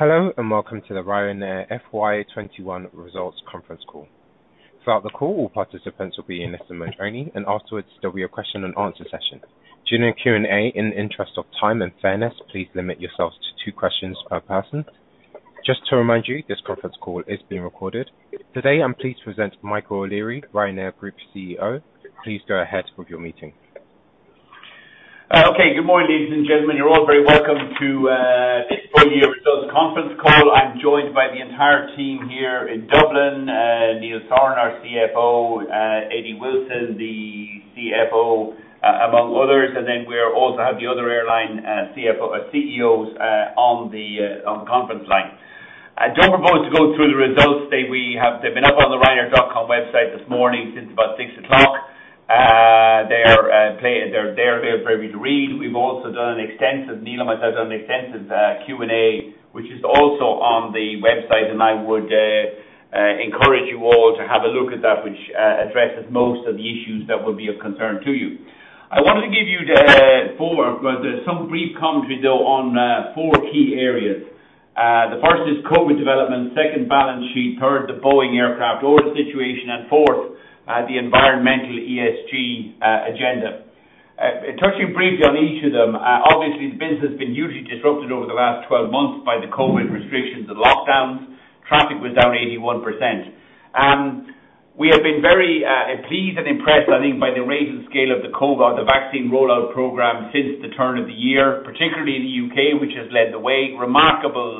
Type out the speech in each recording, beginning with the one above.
Hello, and welcome to the Ryanair FY 2021 results conference call. Throughout the call, all participants will be in [listen-only] training, and afterwards there will be a question and answer session. During the Q&A, in the interest of time and fairness, please limit yourself to two questions per person. Just to remind you, this conference call is being recorded. Today, I'm pleased to present Michael O'Leary, Ryanair Group CEO. Please go ahead with your meeting. Okay. Good morning, ladies and gentlemen. You are all very welcome to the FY 2021 results conference call. I am joined by the entire team here in Dublin, Neil Sorahan, our CFO, Eddie Wilson, the CEO, among others. We also have the other airline CEOs on the conference line. I am just about to go through the results. They have been up on the ryanair.com website this morning since about 6:00 A.M. They are there for you to read. Neil and myself have done an extensive Q&A, which is also on the website, I would encourage you all to have a look at that, which addresses most of the issues that would be of concern to you. I want to give you some brief commentary though on four key areas. The first is COVID developments, second balance sheet, third the Boeing aircraft order situation, fourth, the environmental ESG agenda. Touching briefly on each of them. Obviously, the business has been hugely disrupted over the last 12 months by the COVID restrictions and lockdowns. Traffic was down 81%. We have been very pleased and impressed, I think, by the rate and scale of the COVID vaccine rollout program since the turn of the year, particularly in the U.K., which has led the way. Remarkably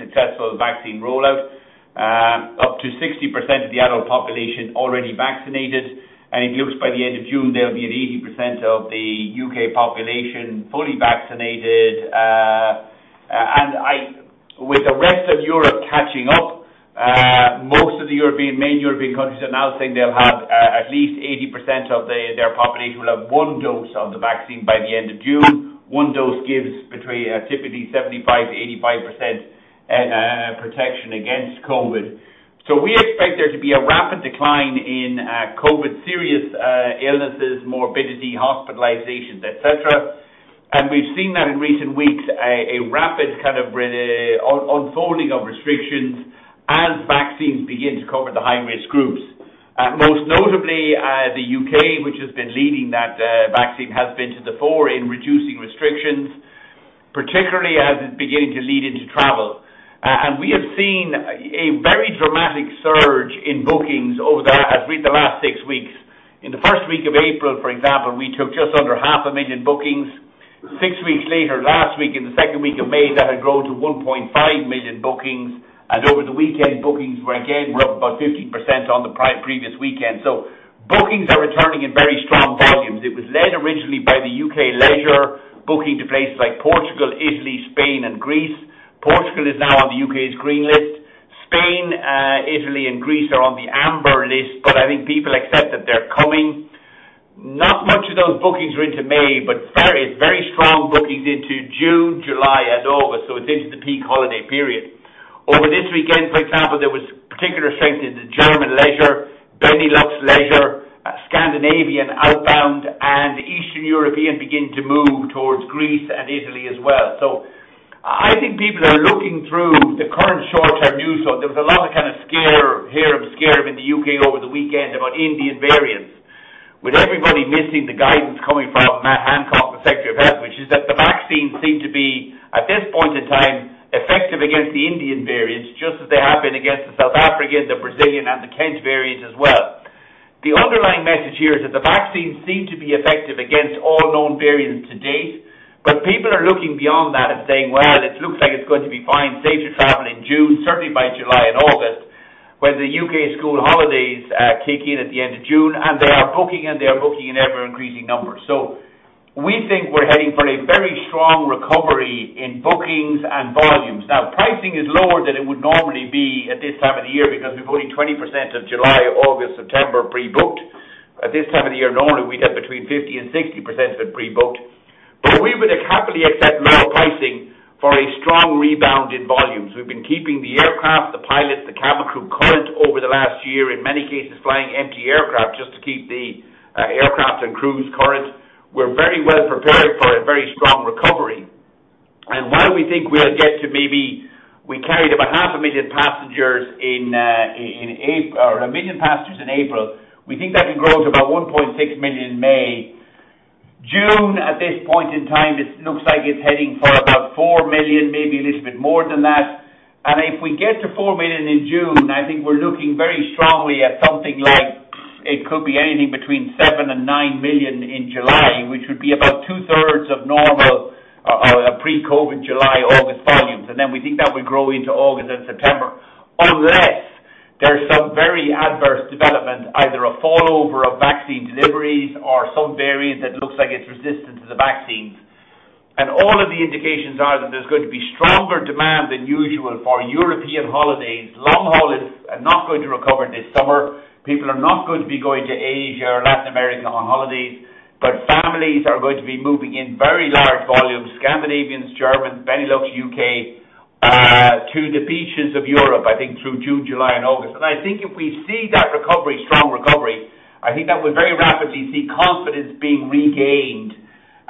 successful vaccine rollout. Up to 60% of the adult population already vaccinated, and it looks by the end of June, there'll be 80% of the U.K. population fully vaccinated. With the rest of Europe catching up, most of the major European countries are now saying at least 80% of their population will have one dose of the vaccine by the end of June. One dose gives between typically 75%-85% protection against COVID. We expect there to be a rapid decline in COVID serious illnesses, morbidity, hospitalizations, et cetera. We've seen that in recent weeks, a rapid kind of unfolding of restrictions as vaccines begin to cover the high-risk groups. Most notably, the U.K., which has been leading that vaccine, has been to the fore in reducing restrictions, particularly as it begins to lead into travel. We have seen a very dramatic surge in bookings over the last six weeks. In the first week of April, for example, we took just under 500,000 bookings. Six weeks later, last week, in the second week of May, that had grown to 1.5 million bookings, and over the weekend bookings were again up about 50% on the previous weekend. Bookings are returning in very strong volumes. It was led originally by the U.K. leisure booking to places like Portugal, Italy, Spain, and Greece. Portugal is now on the U.K.'s green list. Spain, Italy, and Greece are on the amber list, but I think people accept that they're coming. Not much of those bookings were into May, but very strong bookings into June, July, and August. It is the peak holiday period. Over this weekend, for example, there was particular strength into German leisure, Benelux leisure, Scandinavian outbound, and Eastern European beginning to move towards Greece and Italy as well. I think people are looking through the current short-term news. There was a lot of kind of scare in the U.K. over the weekend about Indian variants, with everybody missing the guidance coming from Hancock the Secretary of Health, which is that the vaccines seem to be, at this point in time, effective against the Indian variants, just as they have been against the South African, the Brazilian, and the Kent variants as well. The underlying message here is that the vaccines seem to be effective against all known variants to date, people are looking beyond that and saying, "Well, it looks like it's going to be fine safe to travel in June, certainly by July and August," when the U.K. school holidays kick in at the end of June. They are booking, and they are booking in ever-increasing numbers. We think we're heading for a very strong recovery in bookings and volumes. Pricing is lower than it would normally be at this time of year because we've only 20% of July, August, September pre-booked. At this time of year normally, we'd have between 50% and 60% pre-booked. We would happily accept lower pricing for a strong rebound in volumes. We've been keeping the aircraft, the pilots, the cabin crew current over the last year, in many cases flying empty aircraft just to keep the aircraft and crews current. We're very well prepared for a very strong recovery. We carried 1 million passengers in April. We think that will grow to about 1.6 million in May. June, at this point in time, it looks like it's heading for about 4 million, maybe a little bit more than that. If we get to 4 million in June, I think we're looking very strongly at something like it could be anything between 7 million and 9 million in July, which would be about two-thirds of normal pre-COVID July/August volumes. We think that will grow into August and September, unless there's some very adverse development, either a fall over of vaccine deliveries or some variant that looks like it's resistant to the vaccines. All of the indications are that there's going to be stronger demand than usual for European holidays. Long haul is not going to recover this summer. People are not going to be going to Asia or Latin America on holidays, but families are going to be moving in very large volumes. Scandinavians, Germans, Benelux, U.K. to the beaches of Europe, I think through June, July, and August. I think if we see that strong recovery, I think that we'll very rapidly see confidence being regained.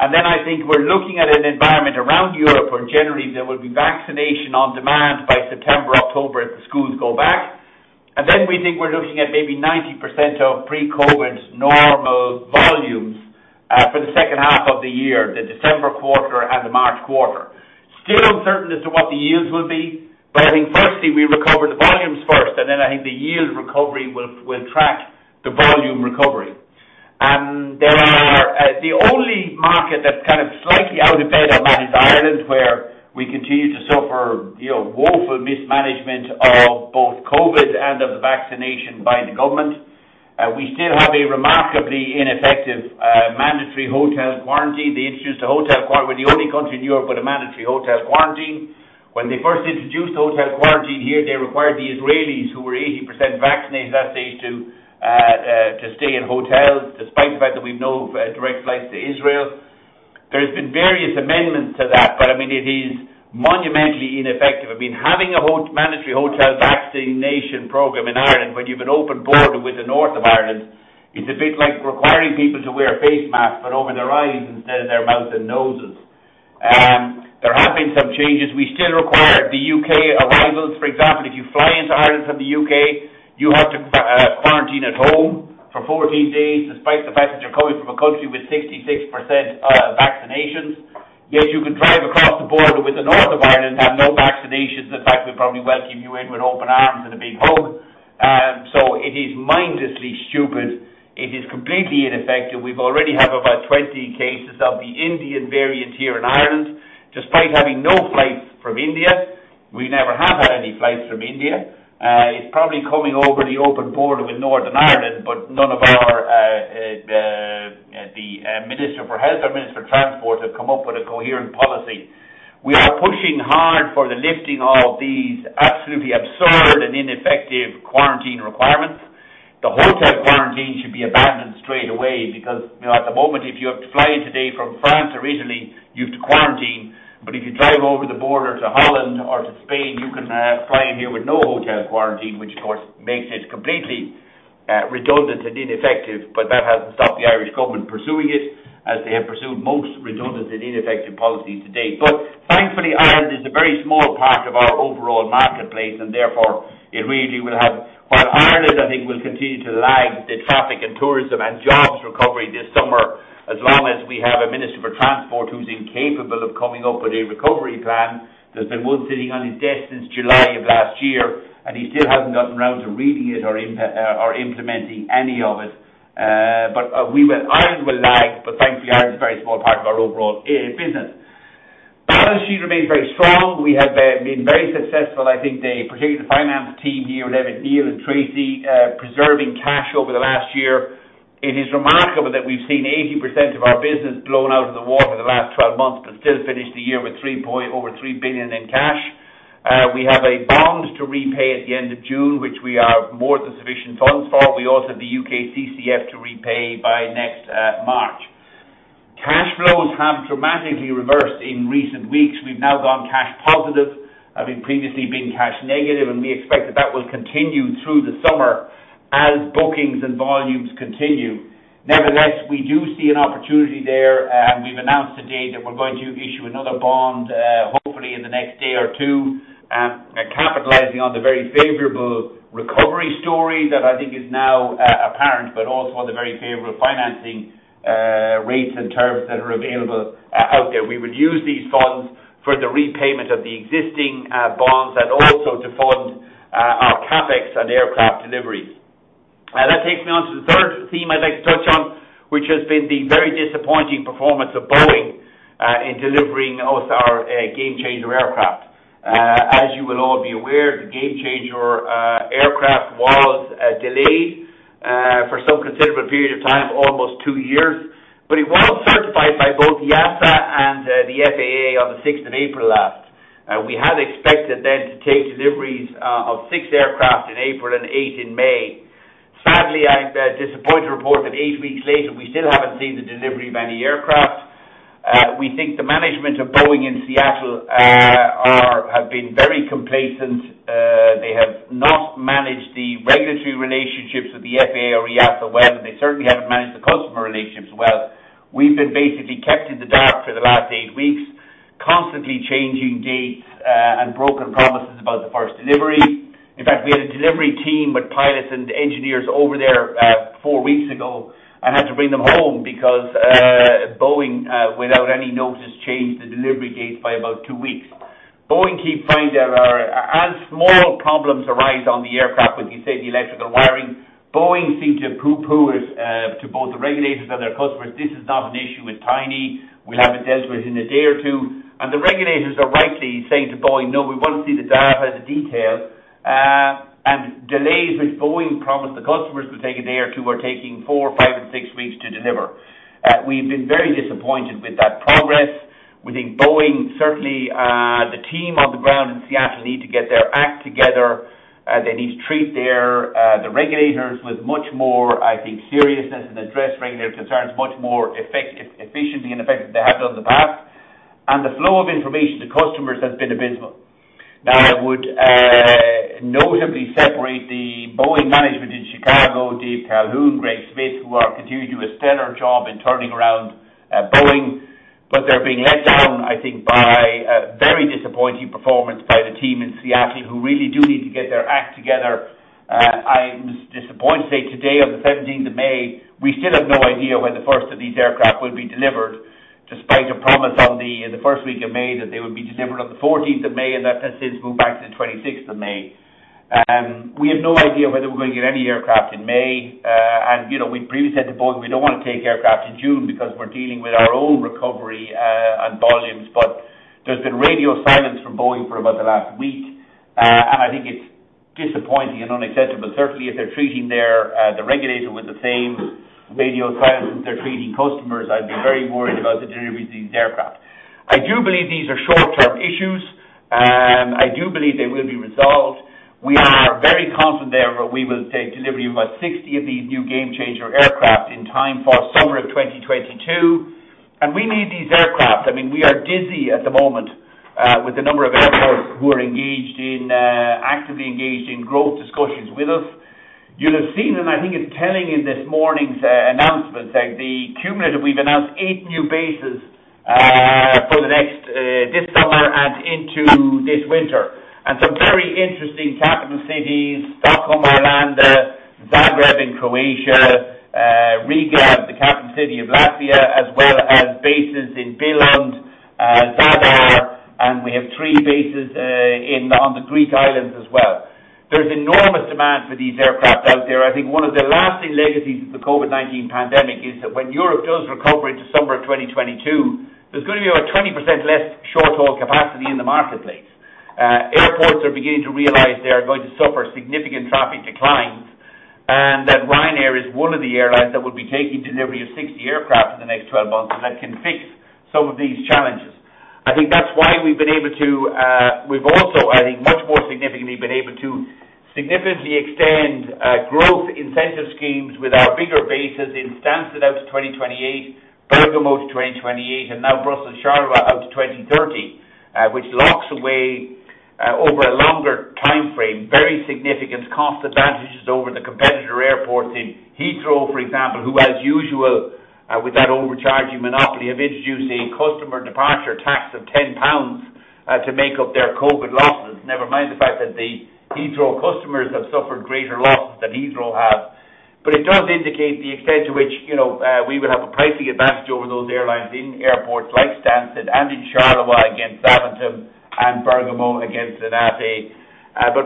I think we're looking at an environment around Europe where generally there will be vaccination on demand by September, October, if the schools go back. We think we're looking at maybe 90% of pre-COVID normal volumes for the second half of the year, the December quarter and the March quarter. Still uncertain as to what the yields will be, but I think firstly, we recover the volumes first, and then I think the yield recovery will track the volume recovery. The only market that's kind of slightly out of bed on that is Ireland, where we continue to suffer woeful mismanagement of both COVID and of the vaccination by the government. We still have a remarkably ineffective mandatory hotel quarantine. We're the only country in Europe with a mandatory hotel quarantine. When they first introduced hotel quarantine here, they required the Israelis, who were 80% vaccinated last stage, to stay in hotels despite the fact that we've no direct flights to Israel. There's been various amendments to that, but it is monumentally ineffective. Having a mandatory hotel vaccination program in Ireland when you've an open border with the north of Ireland is a bit like requiring people to wear face masks but over their eyes instead of their mouths and noses. There have been some changes. We still require the U.K. arrivals. For example, if you fly into Ireland from the U.K., you have to quarantine at home for 14 days despite the fact that you're coming from a country with 66% vaccinations, yet you can drive across the border with the north of Ireland who have no vaccinations. In fact, we'd probably welcome you in with open arms and a big hug. It is mindlessly stupid. It is completely ineffective. We already have about 20 cases of the Indian variant here in Ireland, despite having no flights from India. We never have had any flights from India. It's probably coming over the open border with Northern Ireland, but none of the minister for health or minister of transport have come up with a coherent policy. We are pushing hard for the lifting of these absolutely absurd and ineffective quarantine requirements. The hotel quarantine should be abandoned straight away because, at the moment, if you have to fly in today from France or Italy, you have to quarantine, but if you drive over the border to Holland or to Spain, you can fly in here with no hotel quarantine, which of course makes it completely redundant and ineffective. That hasn't stopped the Irish government pursuing it, as they have pursued most redundant and ineffective policies to date. Thankfully, Ireland is a very small part of our overall marketplace, and therefore while Ireland, I think, will continue to lag the traffic and tourism and jobs recovery this summer, as long as we have a minister for transport who's incapable of coming up with a recovery plan. There's been one sitting on his desk since July of last year, and he still hasn't gotten around to reading it or implementing any of it. Ireland will lag, but thankfully, Ireland is a very small part of our overall business. Balance sheet remains very strong. We have been very successful, I think particularly the finance team here led by Neil Sorahan and Tracey, preserving cash over the last year. It is remarkable that we've seen 80% of our business blown out of the water in the last 12 months but still finished the year with over 3 billion in cash. We have a bond to repay at the end of June, which we have more than sufficient funds for. We also have the U.K. CCFF to repay by next March. Cash flows have dramatically reversed in recent weeks. We've now gone cash positive, having previously been cash negative, and we expect that that will continue through the summer as bookings and volumes continue. Nevertheless, we do see an opportunity there, and we've announced today that we're going to issue another bond hopefully in the next day or two capitalizing on the very favorable recovery story that I think is now apparent, but also on the very favorable financing rates and terms that are available out there. We would use these funds for the repayment of the existing bonds and also to fund our CapEx and aircraft deliveries. That takes me on to the third theme I'd like to touch on, which has been the very disappointing performance of Boeing in delivering us our Gamechanger aircraft. As you will all be aware, the Gamechanger aircraft was delayed for some considerable period of time, almost two years. It was certified by both EASA and the FAA on the 6th of April last. We had expected then to take deliveries of six aircraft in April and eight in May. Sadly, I'm disappointed to report that eight weeks later, we still haven't seen the delivery of any aircraft. We think the management of Boeing in Seattle have been very complacent. They have not managed the regulatory relationships with the FAA or EASA well, they certainly haven't managed the customer relationships well. We've been basically kept in the dark for the last eight weeks, constantly changing dates and broken promises about the first delivery. In fact, we had a delivery team with pilots and engineers over there four weeks ago and had to bring them home because Boeing, without any notice, changed the delivery dates by about two weeks. As small problems arise on the aircraft, when you say the electrical wiring, Boeing seem to pooh-pooh it to both the regulators and their customers. "This is not an issue. It's tiny. We'll have it dealt with in a day or two." The regulators are rightly saying to Boeing, "No, we want to see the data, the detail." Delays which Boeing promised the customers would take a day or two are taking four, five, and six weeks to deliver. We've been very disappointed with that progress. We think Boeing, certainly the team on the ground in Seattle, need to get their act together. They need to treat the regulators with much more, I think, seriousness and address regulator concerns much more efficiently and effectively than they have done in the past. The flow of information to customers has been abysmal. Now, I would notably separate the Boeing management in Chicago, David Calhoun, Gregory D. Smith, who are continuing to do a stellar job in turning around Boeing. They're being let down, I think, by a very disappointing performance by the team in Seattle who really do need to get their act together. I'm disappointed to say today, on the 17th of May, we still have no idea when the first of these aircraft will be delivered, despite a promise on the first week of May that they would be delivered on the 14th of May, and that has since moved back to the 26th of May. We have no idea whether we're going to get any aircraft in May. We previously said to Boeing we don't want to take aircraft in June because we're dealing with our own recovery and volumes. There's been radio silence from Boeing for about the last week. I think it's disappointing and unacceptable. If they're treating the regulator with the same radio silence as they're treating customers, I'd be very worried about the delivery of these aircraft. I do believe these are short-term issues. I do believe they will be resolved. We are very confident there we will take delivery of about 60 of these new Gamechanger aircraft in time for summer of 2022. We need these aircraft. We are dizzy at the moment with the number of airports who are actively engaged in growth discussions with us. You'll have seen, I think it's telling in this morning's announcement, the cumulative we've announced eight new bases this summer and into this winter. Some very interesting capital cities, Stockholm, Arlanda, Zagreb in Croatia, Riga, the capital city of Latvia, as well as bases in Billund, Zadar, and we have three bases on the Greek islands as well. There's enormous demand for these aircraft out there. I think one of the lasting legacies of the COVID-19 pandemic is that when Europe does recover into summer of 2022, there's going to be about 20% less short-haul capacity in the marketplace. Airports are beginning to realize they are going to suffer significant traffic declines, and that Ryanair is one of the airlines that will be taking delivery of 60 aircraft in the next 12 months that can fix some of these challenges. I think that's why we've also, I think much more significantly, been able to significantly extend growth incentive schemes with our bigger bases in Stansted out to 2028, Bergamo to 2028, and now Brussels Charleroi out to 2030. Which locks away over a longer timeframe, very significant cost advantages over the competitor airports in Heathrow, for example, who as usual with that overcharging monopoly have introduced a customer departure tax of 10 pounds to make up their COVID losses. Never mind the fact that the Heathrow customers have suffered greater losses than Heathrow have. It does indicate the extent to which we will have a pricing advantage over those airlines in airports like Stansted and in Charleroi against Southampton, and Bergamo against Linate.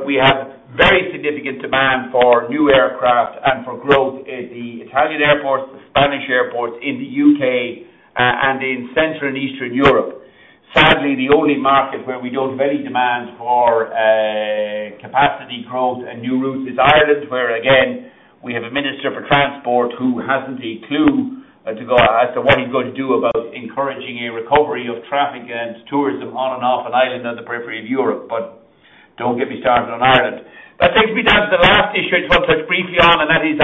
We have very significant demand for new aircraft and for growth in the Italian airports, the Spanish airports, in the U.K., and in Central and Eastern Europe. Sadly, the only market where we don't have any demand for capacity growth and new routes is Ireland, where again, we have a minister for transport who hasn't a clue as to what he's going to do about encouraging a recovery of traffic and tourism on and off an island on the periphery of Europe. Don't get me started on Ireland. That takes me to the last issue I just want to touch briefly on, and that is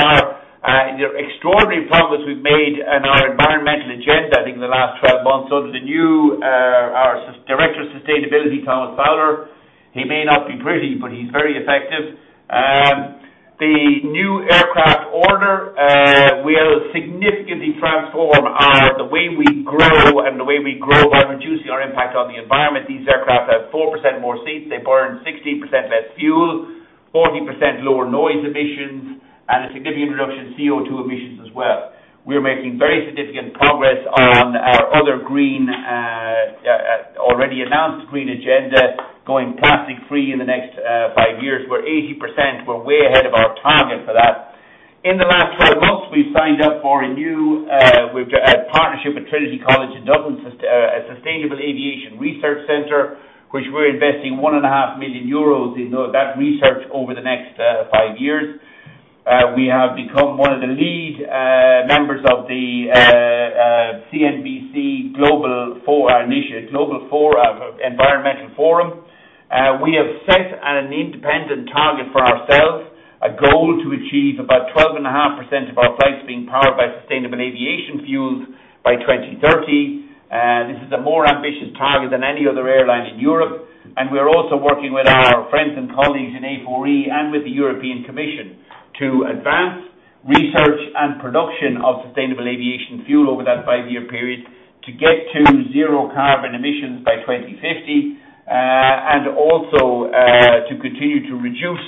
the extraordinary progress we've made in our environmental agenda, I think, in the last 12 months under our Director of Sustainability, Thomas Fowler. He may not be pretty, but he's very effective. The new aircraft order will significantly transform the way we grow and the way we grow by reducing our impact on the environment. These aircraft have 4% more seats. They burn 16% less fuel, 40% lower noise emissions, and a significant reduction in CO2 emissions as well. We're making very significant progress on our already announced green agenda, going plastic free in the next five years. We're 80%. We're way ahead of our target for that. In the last 12 months, we've signed up for a partnership with Trinity College Dublin, a sustainable aviation research center, which we're investing 1.5 million euros into that research over the next five years. We have become one of the lead members of the CNBC Global Environmental Forum. We have set an independent target for ourselves, a goal to achieve about 12.5% of our flights being powered by sustainable aviation fuels by 2030. This is a more ambitious target than any other airline in Europe. We're also working with our friends and colleagues in A4E and with the European Commission to advance research and production of sustainable aviation fuel over that five-year period to get to zero carbon emissions by 2050. Also to continue to reduce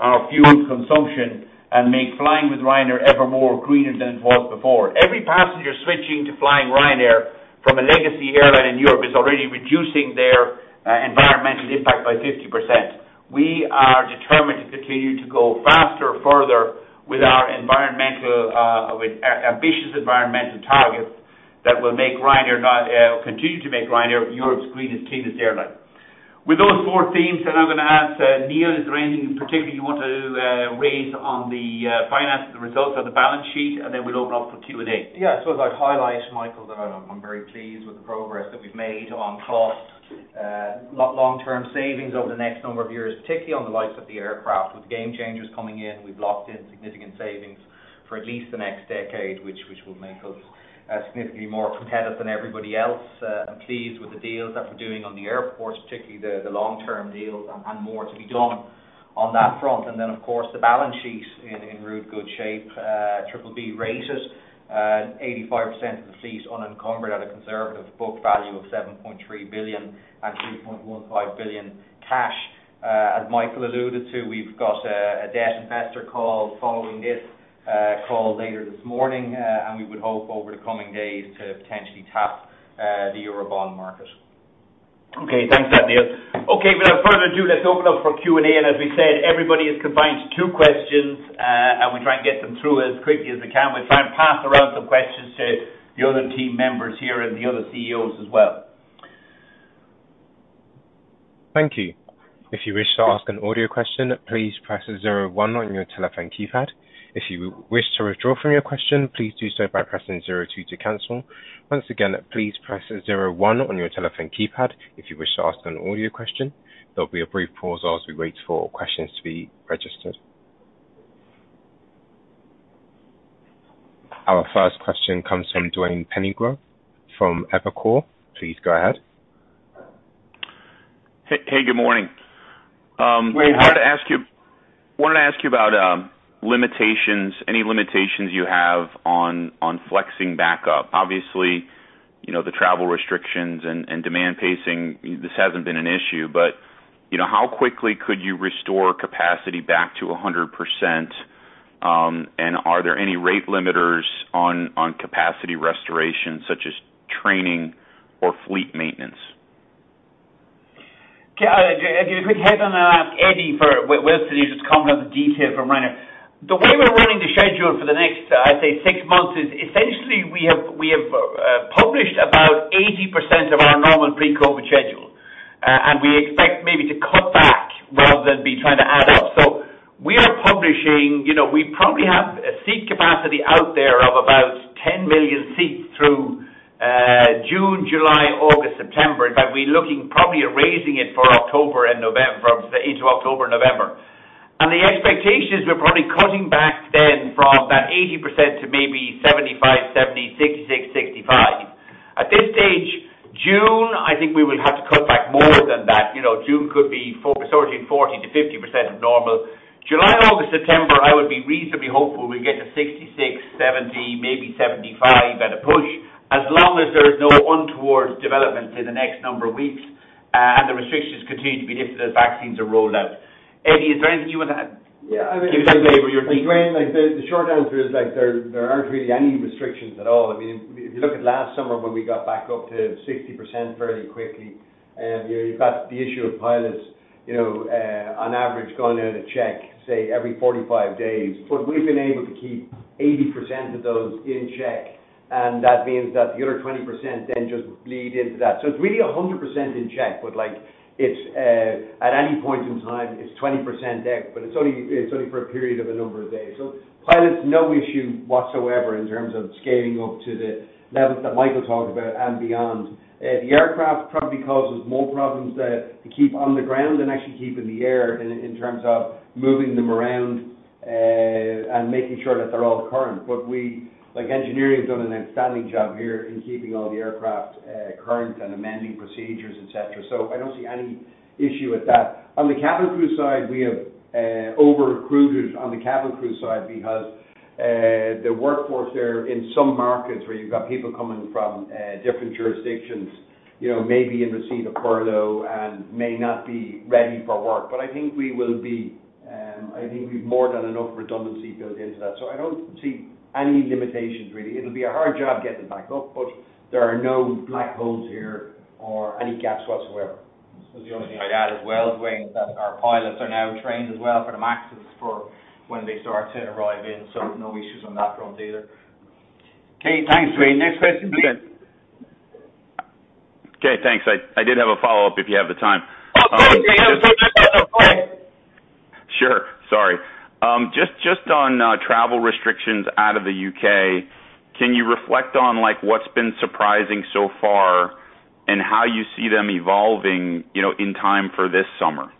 our fuel consumption and make flying with Ryanair ever more greener than it was before. Every passenger switching to flying Ryanair from a legacy airline in Europe is already reducing their environmental impact by 50%. We are determined to continue to go faster, further with our ambitious environmental targets that will continue to make Ryanair Europe's greenest, cleanest airline. With those four themes, I'm going to ask Neil, is there anything in particular you want to raise on the finance results on the balance sheet, then we'll open up for Q&A. Yeah. As I highlight, Michael, that I'm very pleased with the progress that we've made on cost long-term savings over the next number of years, particularly on the likes of the aircraft with Gamechangers coming in. We've locked in significant savings for at least the next decade, which will make us significantly more competitive than everybody else. I'm pleased with the deals that we're doing on the airports, particularly the long-term deals and more to be done on that front. Then of course the balance sheet in rude good shape. BBB rated, 85% of the fleet unencumbered at a conservative book value of 7.3 billion and 3.15 billion cash. As Michael alluded to, we've got a debt investor call following this call later this morning, and we would hope over the coming days to potentially tap the Eurobond market. Okay. Thanks for that, Neil. Okay. Without further ado, let's open up for Q&A. As we said, everybody is confined to two questions, and we try and get them through as quickly as we can. We'll try and pass around some questions to the other team members here and the other CEOs as well. Thank you. If you wish to ask an audio question, please press zero one on your telephone keypad. If you wish to withdraw from your question, please do so by pressing zero two to cancel. Once again, please press zero one on your telephone keypad if you wish to ask an audio question. There'll be a brief pause as we wait for questions to be registered. Our first question comes from Duane Pfennigwerth from Evercore. Please go ahead. Hey. Good morning. Hey Duane. I wanted to ask you about any limitations you have on flexing back up. Obviously, the travel restrictions and demand pacing, this hasn't been an issue. How quickly could you restore capacity back to 100%? Are there any rate limiters on capacity restoration such as training or fleet maintenance? Okay. A quick add-on. I'll ask Eddie for-- well, to just comment on the detail from Ryanair. The way we're running the schedule for the next, I'd say six months is essentially we have published about 80% of our normal pre-COVID schedule. We expect maybe to cut back rather than be trying to add up. We are publishing. We probably have a seat capacity out there of about 10 million seats through June, July, August, September. We're looking probably at raising it for October and November, into October and November. The expectation is we're probably cutting back then from that 80% to maybe 75%, 70%, 66%, 65%. At this stage, June, I think we will have to cut back more than that. June could be sort of between 40%-50% of normal. July, August, September, I would be reasonably hopeful we get to 66%, 70%, maybe 75% at a push as long as there is no untoward development in the next number of weeks, and the restrictions continue to be lifted as vaccines are rolled out. Eddie, is there anything you want to add? Yeah. Give us an update where you're thinking? Duane, the short answer is there aren't really any restrictions at all. If you look at last summer when we got back up to 60% fairly quickly, you've got the issue of pilots on average going out of check, say every 45 days. We've been able to keep 80% of those in check, and that means that the other 20% then just bleed into that. It's really 100% in check, but at any point in time, it's 20% out, but it's only for a period of a number of days. Pilots, no issue whatsoever in terms of scaling up to the levels that Michael talked about and beyond. The aircraft probably causes more problems to keep on the ground than actually keep in the air in terms of moving them around, and making sure that they're all current. Engineering has done an outstanding job here in keeping all the aircraft current and amending procedures, et cetera. I don't see any issue with that. On the cabin crew side, we have over recruited on the cabin crew side because the workforce there in some markets where you've got people coming from different jurisdictions maybe in receipt of furlough and may not be ready for work. I think we've more than enough redundancy built into that. I don't see any limitations really. It'll be a hard job getting back up, but there are no black holes here or any gaps whatsoever. I suppose the only thing I'd add as well, Duane, is that our pilots are now trained as well for the MAXes for when they start to arrive in, no issues on that front either. Okay. Thanks, Duane. Next question please. Okay, thanks. I did have a follow-up if you have the time. Of course. Yeah. Sure. Sorry. Just on travel restrictions out of the U.K., can you reflect on what's been surprising so far and how you see them evolving in time for this summer?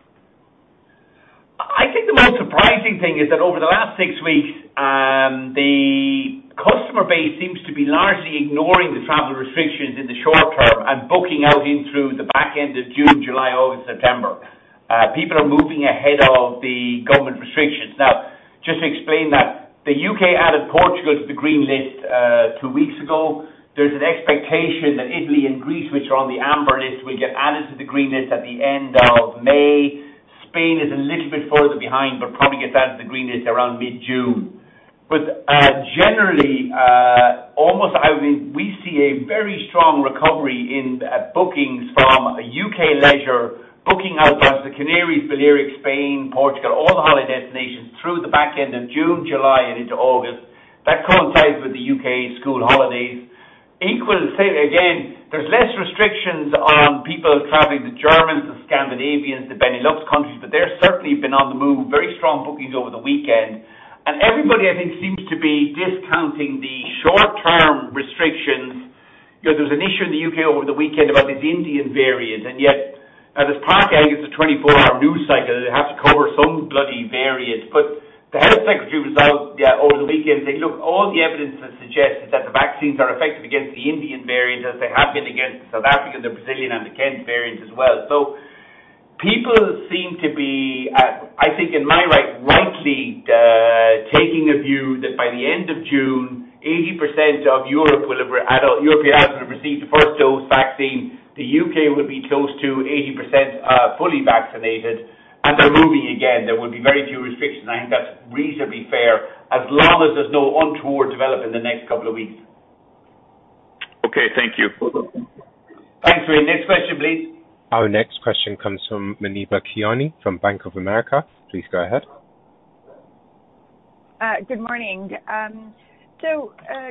I think the most surprising thing is that over the last six weeks, the customer base seems to be largely ignoring the travel restrictions in the short term and booking out in through the back end of June, July, August, September. People are moving ahead of the government restrictions. Just to explain that, the U.K. added Portugal to the green list two weeks ago. There's an expectation that Italy and Greece, which are on the amber list, will get added to the green list at the end of May. Spain is a little bit further behind, probably gets added to the green list around mid-June. Generally, we see a very strong recovery in bookings from U.K. leisure booking out across the Canaries, Balearics, Spain, Portugal, all the holiday destinations through the back end of June, July, and into August. With the U.K. school holidays. Equal say again, there's less restrictions on people traveling, the Germans, the Scandinavians, the Benelux countries. They're certainly been on the move. Very strong bookings over the weekend. Everybody, I think, seems to be discounting the short-term restrictions. You know, there was an issue in the U.K. over the weekend about this Indian variant, and yet as part of, I guess, the 24-hour news cycle, they have to cover some bloody variant. The health secretary was out there over the weekend saying, "Look, all the evidence suggests that the vaccines are effective against the Indian variants as they have been against the South African, the Brazilian, and the Kent variants as well." People seem to be at, I think in my right, rightly, taking a view that by the end of June, 80% of European adults would have received the first dose vaccine. The U.K. will be close to 80% fully vaccinated, and they're moving again. There will be very few restrictions. I think that's reasonably fair, as long as there's no untoward development in the next couple of weeks. Okay. Thank you. Thanks, Duane. Next question, please. Our next question comes from Muneeba Kayani from Bank of America. Please go ahead. Good morning.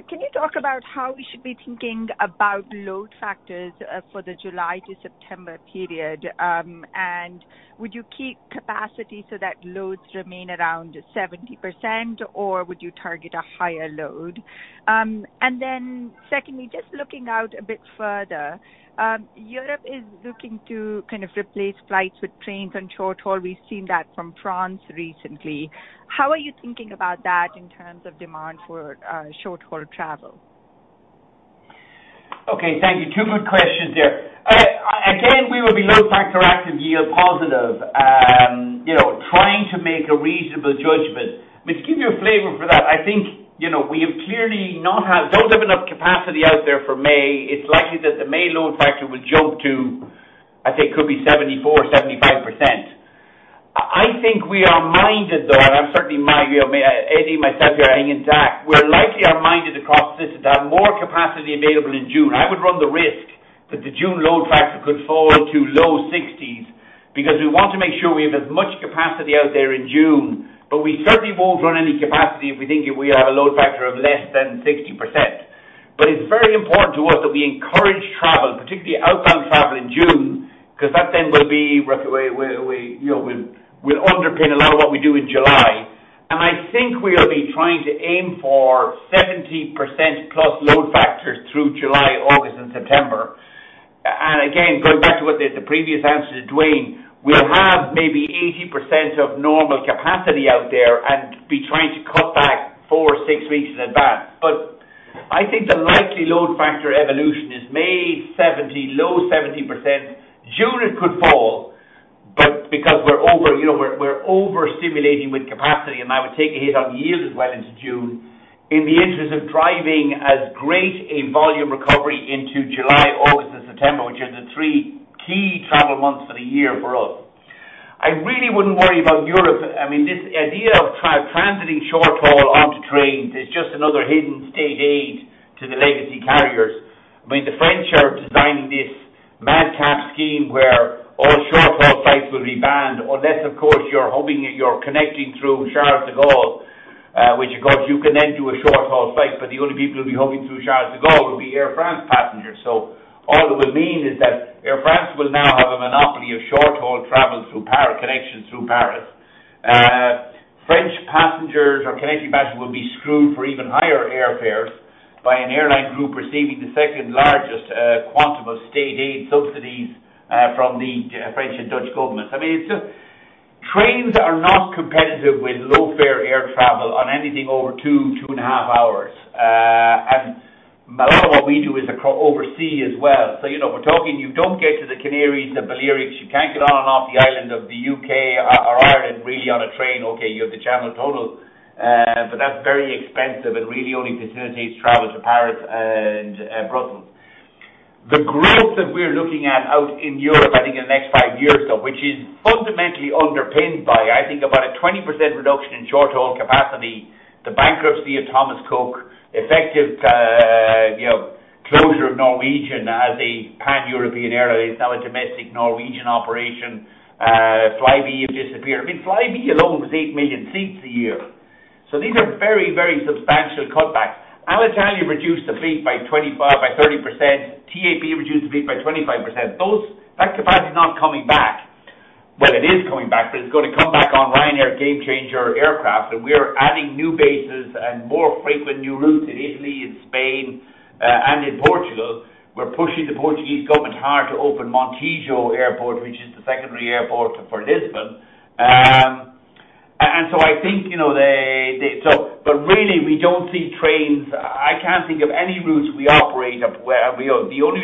Can you talk about how we should be thinking about load factors for the July to September period? Would you keep capacity so that loads remain around 70%, or would you target a higher load? Secondly, just looking out a bit further, Europe is looking to kind of replace flights with trains on short-haul. We've seen that from France recently. How are you thinking about that in terms of demand for short-haul travel? Okay, thank you. Two good questions there. Again, we will be load factor active, yield positive. Trying to make a reasonable judgment. To give you a flavor for that, I think, we clearly don't have enough capacity out there for May. It's likely that the May load factor will jump to, I think could be 74%, 75%. I think we are minded, though, and certainly Eddie, myself here, and DAC, we're likely minded across this, to have more capacity available in June. I would run the risk that the June load factor could fall to low 60s because we want to make sure we have as much capacity out there in June. We certainly won't run any capacity if we think we have a load factor of less than 60%. It's very important to us that we encourage travel, particularly outbound travel in June, because that then will underpin a lot of what we do in July. I think we'll be trying to aim for 70%+ load factors through July, August, and September. Again, going back to the previous answer to Duane, we'll have maybe 80% of normal capacity out there and be trying to cut back four or six weeks in advance. I think the likely load factor evolution is May, low 70%. June, it could fall, but because we're over-stimulating with capacity, and I would take a hit on yield as well into June, in the interest of driving as great a volume recovery into July, August, and September, which are the three key travel months for the year for us. I really wouldn't worry about Europe. This idea of transiting short-haul onto trains is just another hidden state aid to the legacy carriers. The French are designing this madcap scheme where all short-haul flights will be banned. Unless, of course, you're connecting through Charles de Gaulle, which, of course, you can then do a short-haul flight. The only people who'll be hooking through Charles de Gaulle will be Air France passengers. All it will mean is that Air France will now have a monopoly of short-haul travel connections through Paris. French passengers or connecting passengers will be screwed for even higher airfares by an airline group receiving the second-largest quantum of state aid subsidies from the French and Dutch government. Trains are not competitive with low-fare air travel on anything over 2.5 hours. A lot of what we do is overseas as well. We're talking, you don't get to the Canaries, the Balearics. You can't get on and off the island of the U.K. or Ireland really on a train. Okay, you have the Channel Tunnel. That's very expensive and really only facilitates travel to Paris and Brussels. The growth that we're looking at out in Europe, I think in the next five years, though, which is fundamentally underpinned by, I think, about a 20% reduction in short-haul capacity, the bankruptcy of Thomas Cook, effective closure of Norwegian as a pan-European airline. It's now a domestic Norwegian operation. Flybe have disappeared. I mean, Flybe alone was 8 million seats a year. These are very, very substantial cutbacks. Alitalia reduced the fleet by 30%. TAP reduced the fleet by 25%. That capacity is not coming back. Well, it is coming back, but it's going to come back on Ryanair Gamechanger aircraft. We are adding new bases and more frequent new routes in Italy, in Spain, and in Portugal. We're pushing the Portuguese government hard to open Montijo Airport, which is the secondary airport for Lisbon. Really, we don't see trains. I can't think of any routes we operate. The only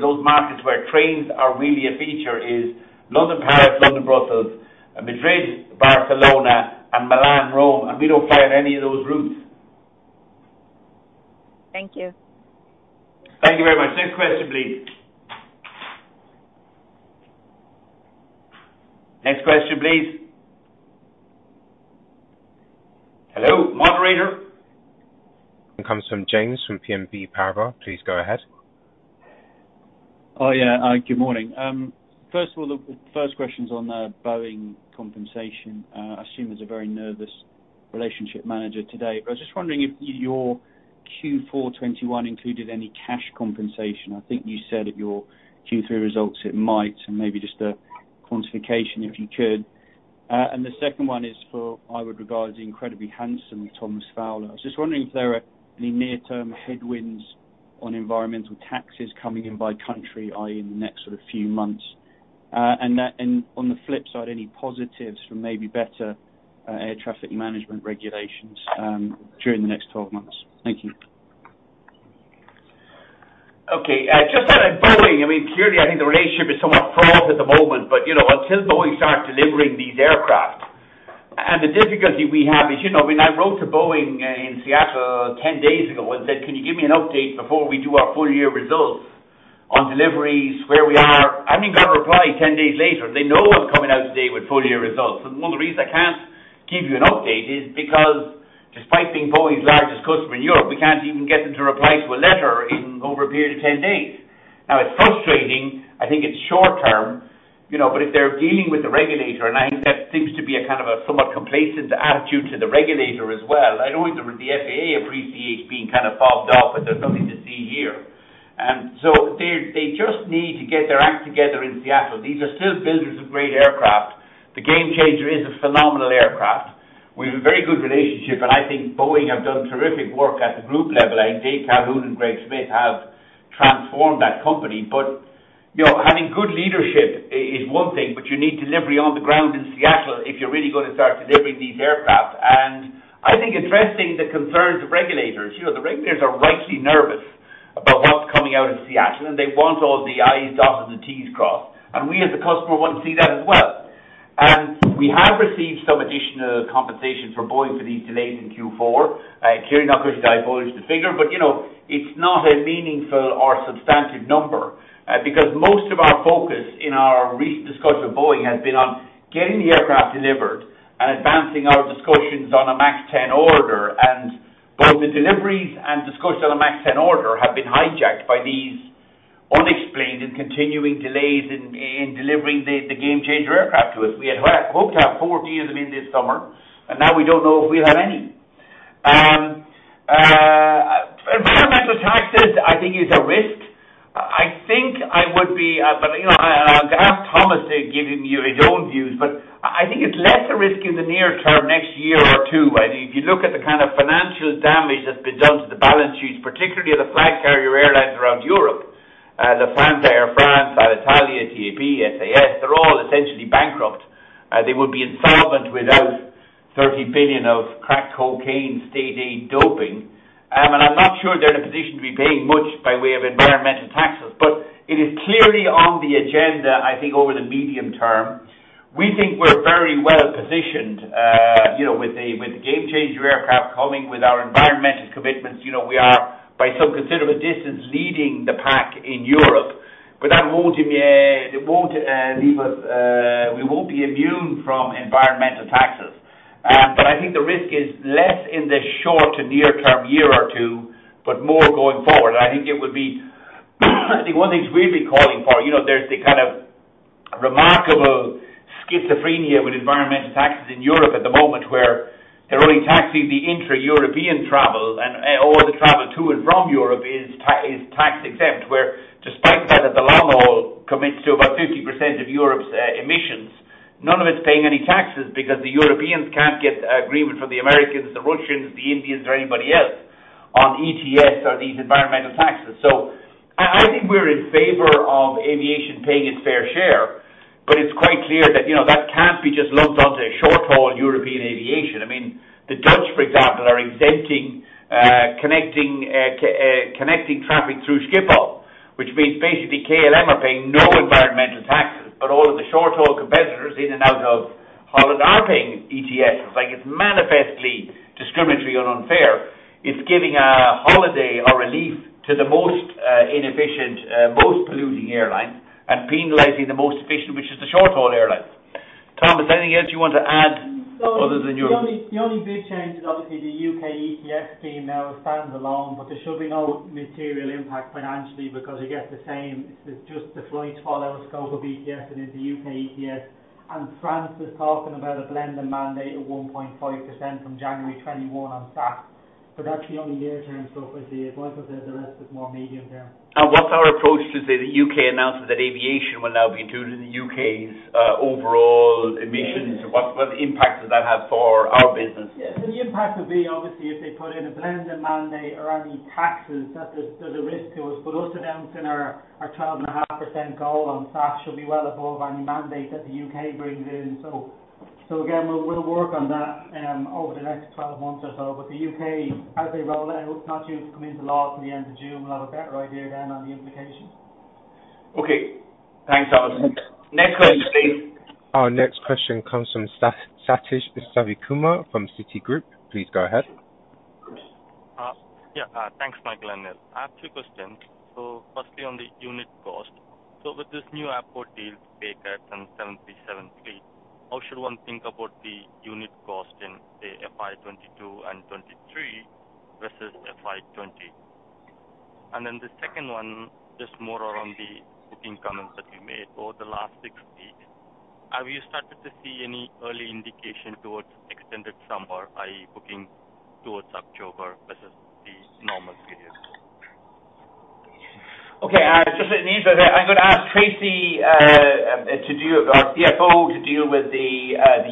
those markets where trains are really a feature is London-Paris, London-Brussels, and Madrid-Barcelona, and Milan-Rome, and we don't fly on any of those routes. Thank you. Thank you very much. Next question, please. Next question, please. Hello? Moderator? Comes from James from BNP Paribas. Please go ahead. Oh, yeah. Good morning. First of all, the first question is on the Boeing compensation. I assume there's a very nervous relationship manager today. I was just wondering if your Q4 2021 included any cash compensation. I think you said at your Q3 results it might, maybe just a quantification if you could. The second one is for, I would regard as incredibly handsome Thomas Fowler. I was just wondering if there are any near-term headwinds on environmental taxes coming in by country, i.e., in the next few months. On the flip side, any positives for maybe better air traffic management regulations during the next 12 months? Thank you. Okay. Just on Boeing, clearly, I think the relationship is somewhat frayed at the moment, but until Boeing starts delivering these aircraft. The difficulty we have is, I wrote to Boeing in Seattle 10 days ago and said, "Can you give me an update before we do our full-year results on deliveries, where we are?" I haven't had a reply 10 days later. They know I'm coming out today with full-year results, but the only reason I can't give you an update is because despite being Boeing's largest customer in Europe, we can't even get them to reply to a letter even over a period of 10 days. Now, it's frustrating. I think it's short-term, but if they're dealing with the regulator, and I think that seems to be a kind of a somewhat complacent attitude to the regulator as well. I don't think the FAA appreciates being kind of fobbed off with a "Nothing to see here." They just need to get their act together in Seattle. These are still builders of great aircraft. The Gamechanger is a phenomenal aircraft. We have a very good relationship, and I think Boeing have done terrific work at the group level. I think Dave Calhoun and Greg Smith have transformed that company. Having good leadership is one thing, but you need delivery on the ground in Seattle if you're really going to start delivering these aircraft. I think addressing the concerns of regulators. The regulators are rightly nervous about what's coming out of Seattle, and they want all the I's dotted and T's crossed. We, as a customer, want to see that as well. We have received some additional compensation from Boeing for these delays in Q4. Clearly not going to divulge the figure, but it's not a meaningful or substantive number, because most of our focus in our recent discussion with Boeing has been on getting the aircraft delivered, advancing our discussions on a MAX 10 order. Both the deliveries and discussion on a MAX 10 order have been hijacked by these unexplained and continuing delays in delivering the Gamechanger aircraft to us. We had hoped to have four to use in this summer, and now we don't know if we'll have any. Environmental taxes, I think is a risk. I'll ask Thomas to give you his own views, but I think it's less a risk in the near term, next year or two. If you look at the kind of financial damage that's been done to the balance sheets, particularly of the flag carrier airlines around Europe. Lufthansa, Air France, Alitalia, TAP, SAS, they're all essentially bankrupt. They would be insolvent without 30 billion of crack cocaine state aid doping. I'm not sure they're in a position to be paying much by way of environmental taxes. It is clearly on the agenda, I think, over the medium term. We think we're very well-positioned with the Gamechanger aircraft coming with our environmental commitments. We are by some considerable distance leading the pack in Europe, but we won't be immune from environmental taxes. I think the risk is less in the short to near term year or two, but more going forward. I think one of the things we've been calling for, there's the kind of remarkable schizophrenia with environmental taxes in Europe at the moment where they're only taxing the intra-European travel and all the travel to and from Europe is tax-exempt. Despite the fact that the long haul commits to about 50% of Europe's emissions, none of it's paying any taxes because the Europeans can't get agreement from the Americans, the Russians, the Indians, or anybody else on ETS or these environmental taxes. I think we're in favor of aviation paying its fair share, but it's quite clear that that can't be just lumped onto short-haul European aviation. The Dutch, for example, are exempting connecting traffic through Schiphol, which means basically KLM are paying no environmental taxes, but all of the short-haul competitors in and out of Holland are paying ETS. It's manifestly discriminatory and unfair. It's giving a holiday or a relief to the most inefficient, most polluting airlines and penalizing the most efficient, which is the short-haul airlines. Thomas, anything else you want to add other than Europe? The only big change is obviously the UK ETS scheme now standing alone. There should be no material impact financially because it gets the same. It's just the flights fall out of scope of ETS and into UK ETS. France is talking about a blending mandate at 1.5% from January 2021 on SAF. That's the only near-term stuff I see. Most of the rest is more medium-term. What's our approach to, say, the U.K. announces that aviation will now be included in the U.K.'s overall emissions? What impact does that have for our business? The impact would be obviously if they put in a blending mandate or any taxes, that there is still a risk to us. Us announcing our 12.5% goal on SAF should be well above any mandate that the U.K. brings in. Again, we will work on that over the next 12 months or so. The U.K., as they roll out, it is not due to come into law till the end of June. We will have a better idea then on the implications. Okay. Thanks, Thomas. Next question, please. Our next question comes from Sathish Sivakumar from Citigroup. Please go ahead. Yeah. Thanks, Michael and Neil. I have two questions. Firstly, on the unit cost. With this new aircraft, the delta from 737NG, how should one think about the unit cost in, say, FY 2022 and 2023 versus FY 2020. Then the second one, just more around the booking comments that you made over the last six weeks. Have you started to see any early indication towards extended summer, i.e., booking towards October versus the normal scale? Okay. Just on these, I'm going to ask Tracey, our CFO, to deal with the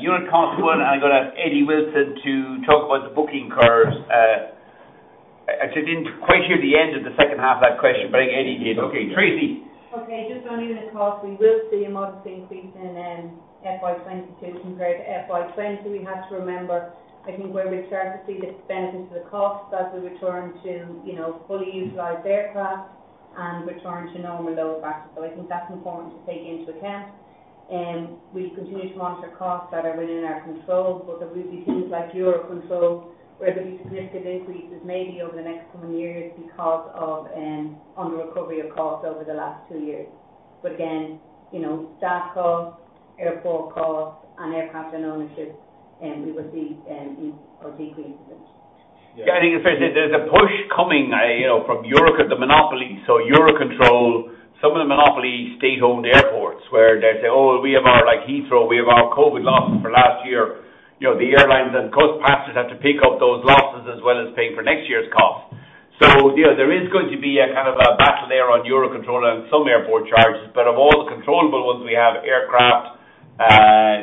unit cost one, and I'm going to ask Eddie Wilson to talk about the booking curves. Didn't quite hear the end of the second half of that question, but I think Eddie did. Okay, Tracey. Just on unit cost, we will see a modest increase in FY 2022 compared to FY 2020. We have to remember, I think where we start to see the benefit to the cost as we return to fully utilized aircraft and return to normal load factors. I think that's important to take into account. We continue to monitor costs that are within our control. There will be things like EUROCONTROL where there'll be significant increases maybe over the next coming years because of under-recovery of costs over the last two years. Again, staff costs, airport costs, and aircraft and ownership, we will see decreases in. I think there's a push coming from Europe at the monopoly. EUROCONTROL, some of the monopoly state-owned airports where they say, "Oh, we have our Heathrow. We have our COVID losses for last year." The airlines and cost passengers have to pick up those losses as well as paying for next year's costs. There is going to be a kind of a battle there on EUROCONTROL and some airport charges. Of all the controllable ones we have, aircraft,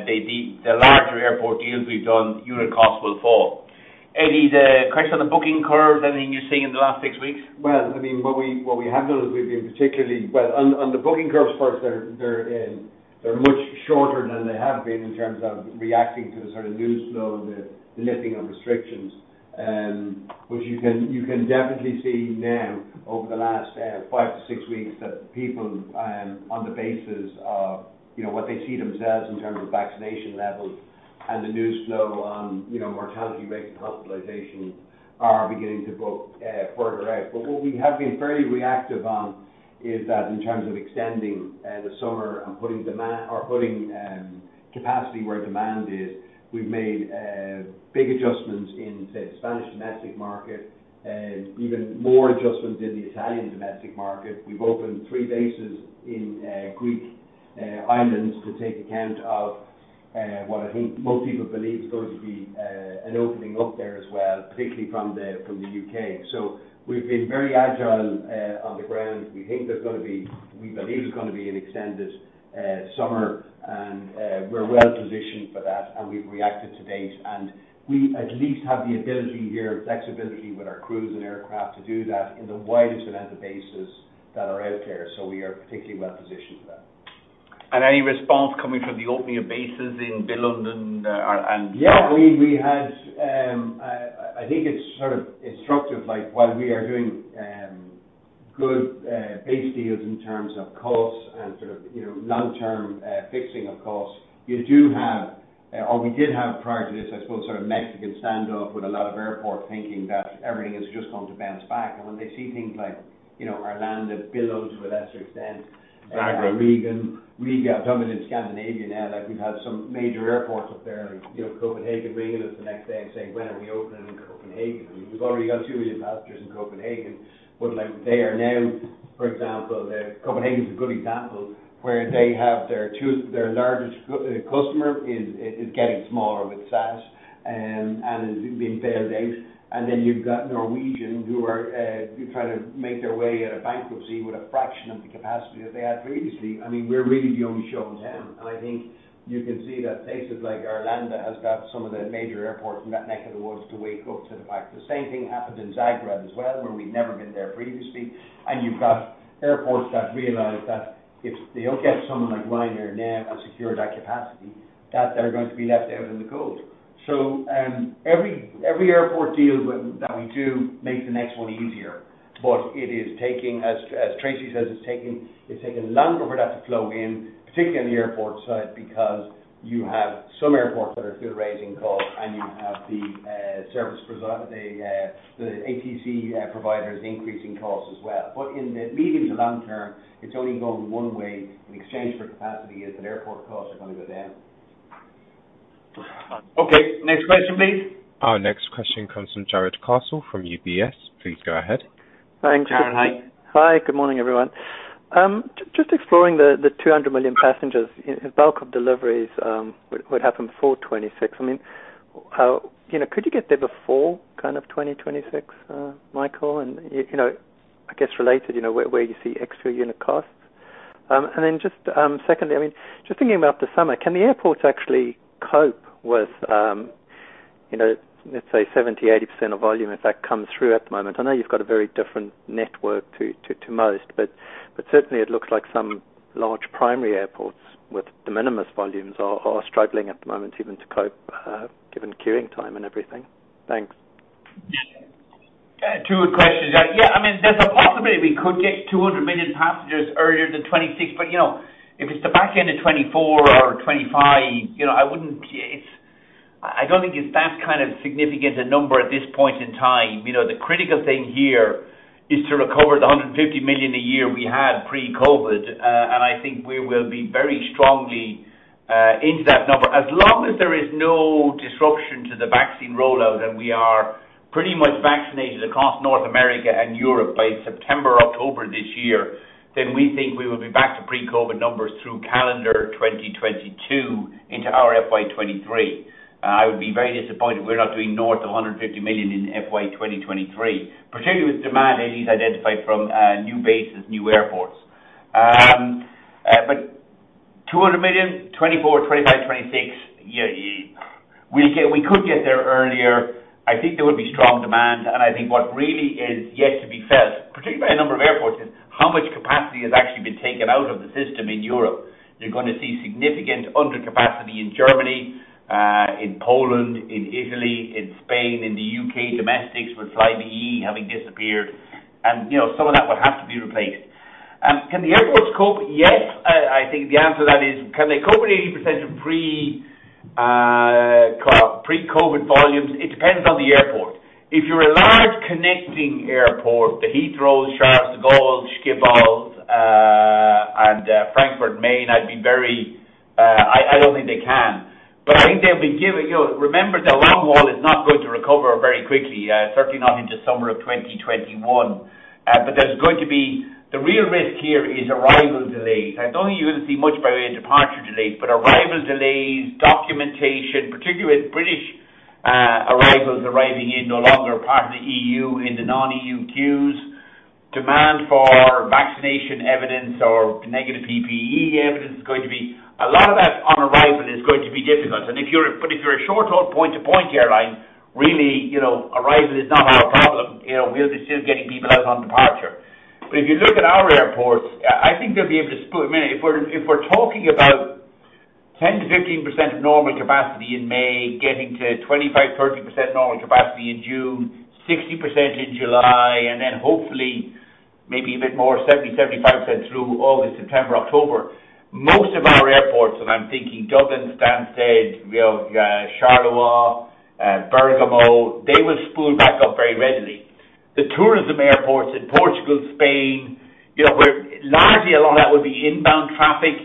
the larger airport deals we've done, unit cost will fall. Eddie, the question on the booking curve, anything you're seeing in the last six weeks? What we have done is we've been particularly on the booking curves first, they're much shorter than they have been in terms of reacting to the sort of news flow, the lifting of restrictions. Which you can definitely see now over the last five to six weeks that people, on the basis of what they see themselves in terms of vaccination levels and the news flow on mortality rates and hospitalization, are beginning to book further out. What we have been very reactive on is that in terms of extending the summer and putting capacity where demand is. We've made big adjustments in, say, the Spanish domestic market. Even more adjustments in the Italian domestic market. We've opened three bases in Greek islands to take account of what I think most people believe is going to be an opening up there as well, particularly from the U.K. We've been very agile on the ground. We believe there's going to be an extended summer, and we're well-positioned for that, and we've reacted to date. We at least have the ability here of flexibility with our crews and aircraft to do that in the widest amount of bases that are out there. We are particularly well-positioned for that. Any response coming from the opening of bases in Billund. I think it's sort of instructive while we are doing good base deals in terms of costs and long-term fixing of costs. We did have prior to this, I suppose, sort of Mexican standoff with a lot of airport thinking that everything is just going to bounce back. When they see things like Arlanda Billund to a lesser extent. Zagreb. Riga. I've done it in Scandinavia now. We've had some major airports up there like Copenhagen ringing us the next day and saying, "When are we opening in Copenhagen?" We've already got 2 million passengers in Copenhagen. Copenhagen is a good example where they have their largest customer is getting smaller with SAS, and has been bailed out. You've got Norwegian who are trying to make their way out of bankruptcy with a fraction of the capacity that they had previously. We're really the only show in town. I think you can see that places like Arlanda has got some of the major airports in that neck of the woods to wake up to the fact. The same thing happened in Zagreb as well, where we'd never been there previously. You've got airports that realize that if they don't get someone like Ryanair now and secure that capacity, that they're going to be left out in the cold. Every airport deal that we do makes the next one easier. It is taking, as Tracey says, it's taking longer for that to flow in, particularly on the airport side because you have some airports that are still raising costs and you have the ATC providers increasing costs as well. In the medium to long term, it's only going one way. The exchange for capacity is that airport costs are going to go down. Okay. Next question, please. Our next question comes from Jarrod Castle from UBS. Please go ahead. Jarrod, hi. Hi. Good morning, everyone. Just exploring the 200 million passengers. Bulk of deliveries would happen before 2026. Could you get there before kind of 2026, Michael? I guess related, where you see extra unit costs? Just secondly, just thinking about the summer, can the airports actually cope with, let's say, 70%-80% of volume if that comes through at the moment? I know you've got a very different network to most, but certainly it looks like some large primary airports with de minimis volumes are struggling at the moment even to cope given queuing time and everything. Thanks. Two good questions. Yeah, there's a possibility we could get 200 million passengers earlier than 2026. If it's the back end of 2024 or 2025, I don't think it's that kind of significant a number at this point in time. The critical thing here is to recover the 150 million a year we had pre-COVID. I think we will be very strongly into that number. As long as there is no disruption to the vaccine rollout, and we are pretty much vaccinated across North America and Europe by September, October this year, then we think we will be back to pre-COVID numbers through calendar 2022 into our FY 2023. I would be very disappointed if we're not doing north of 150 million in FY 2023, particularly with demand as he's identified from new bases, new airports. 200 million, 2024, 2025, 2026, we could get there earlier. I think there will be strong demand. I think what really is yet to be felt, particularly by a number of airports, is how much capacity has actually been taken out of the system in Europe. You're going to see significant under capacity in Germany, in Poland, in Italy, in Spain, in the U.K. domestics with Flybe having disappeared. Some of that will have to be replaced. Can the airports cope? Yes. I think the answer to that is, can they cope with 80% of pre-COVID volumes? It depends on the airport. If you're a large connecting airport, the Heathrow, Charles de Gaulle, Schiphol, and Frankfurt Main, I don't think they can. I think they'll be giving Remember, the long haul is not going to recover very quickly, certainly not in the summer of 2021. There's going to be the real risk here is arrival delays. I don't think you're going to see much by way of departure delays, but arrival delays, documentation, particularly with British arrivals arriving in no longer a part of the E.U. in the non-E.U. queues. Demand for vaccination evidence or negative PCR evidence, a lot of that on arrival, is going to be difficult. If you're a short haul point-to-point airline, really, arrival is not our problem. We'll be still getting people out on departure. If you look at our airports, I think they'll be able to spool, I mean, if we're talking about 10%-15% of normal capacity in May, getting to 25%-30% normal capacity in June, 60% in July, and then hopefully maybe a bit more, 70%-75% through August, September, October. Most of our airports, and I'm thinking Dublin, Stansted, Charleroi, Bergamo, they will spool back up very readily. The tourism airports in Portugal, Spain, where largely a lot of that would be inbound traffic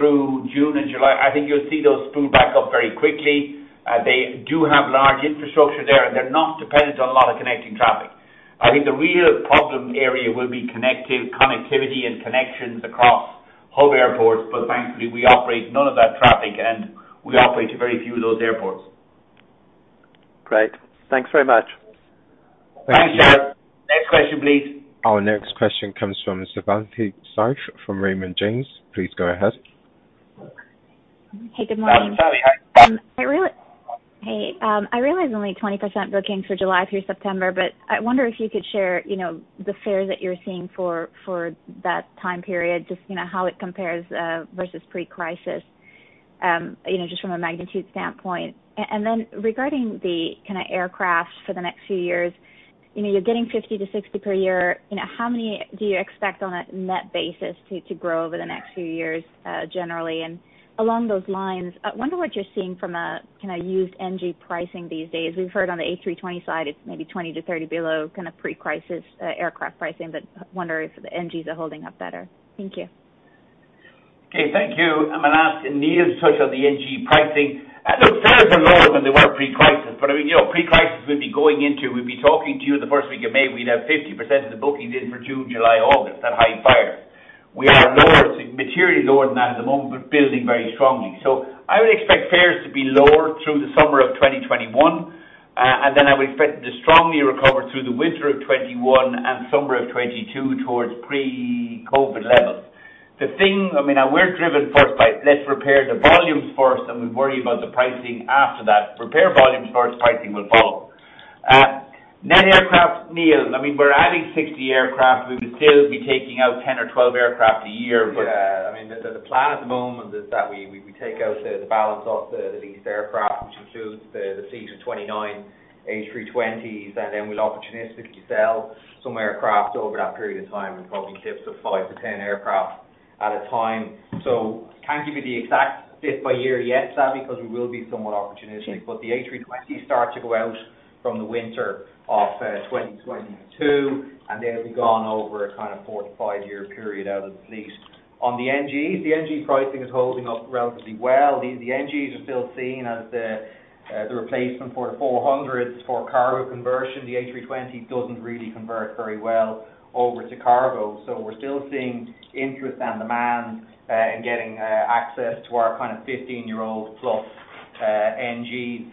through June and July. I think you'll see those spool back up very quickly. They do have large infrastructure there, and they're not dependent on a lot of connecting traffic. I think the real problem area will be connectivity and connections across hub airports, but thankfully, we operate none of that traffic, and we operate very few of those airports. Great. Thanks very much. Thanks, Jarrod. Next question, please. Our next question comes from Savanthi Syth from Raymond James. Please go ahead. Hey, good morning. Savanthi hi. Hey. I realize only 20% bookings for July through September, but I wonder if you could share the fare that you're seeing for that time period, just how it compares versus pre-crisis, just from a magnitude standpoint? Regarding the kind of aircraft for the next few years. You're getting 50 to 60 per year, how many do you expect on a net basis to grow over the next few years generally? Along those lines, I wonder what you're seeing from a kind of used 737NG pricing these days? We've heard on the A320 side, it's maybe 20 to 30 below pre-crisis aircraft pricing, wonder if the NGs are holding up better. Thank you. Okay. Thank you. I'm going to ask Neil to touch on the 737NG pricing. Fares are lower than they were pre-crisis, but pre-crisis, we'd be talking to you the first week of May. We'd have 50% of the bookings in for June, July, August, that high fare. We are lower, materially lower than that at the moment, but building very strongly. I would expect fares to be lower through the summer of 2021. I would expect it to strongly recover through the winter of 2021 and summer of 2022 towards pre-COVID levels. We're driven first by let's repair the volumes first, and we worry about the pricing after that. Repair volumes first, pricing will follow. Net aircraft, Neil. We're adding 60 aircraft. We would still be taking out 10 or 12 aircraft a year. Yeah. I mean, the plan at the moment is that we take out the balance of the leased aircraft, which includes the C229, A320s, and then we'll opportunistically sell some aircraft over that period of time in probably shifts of five to 10 aircraft at a time. Can't give you the exact fit by year yet, Savi, because we will be somewhat opportunistic. The A320s start to go out from the winter of 2022, and they'll be gone over a kind of four to five-year period out of the lease. On the 737NG, the 737NG pricing is holding up relatively well. The NGs are still seen as the replacement for the 400s for cargo conversion. The A320 doesn't really convert very well over to cargo. We're still seeing interest and demand in getting access to our kind of 15-year-old plus 737NG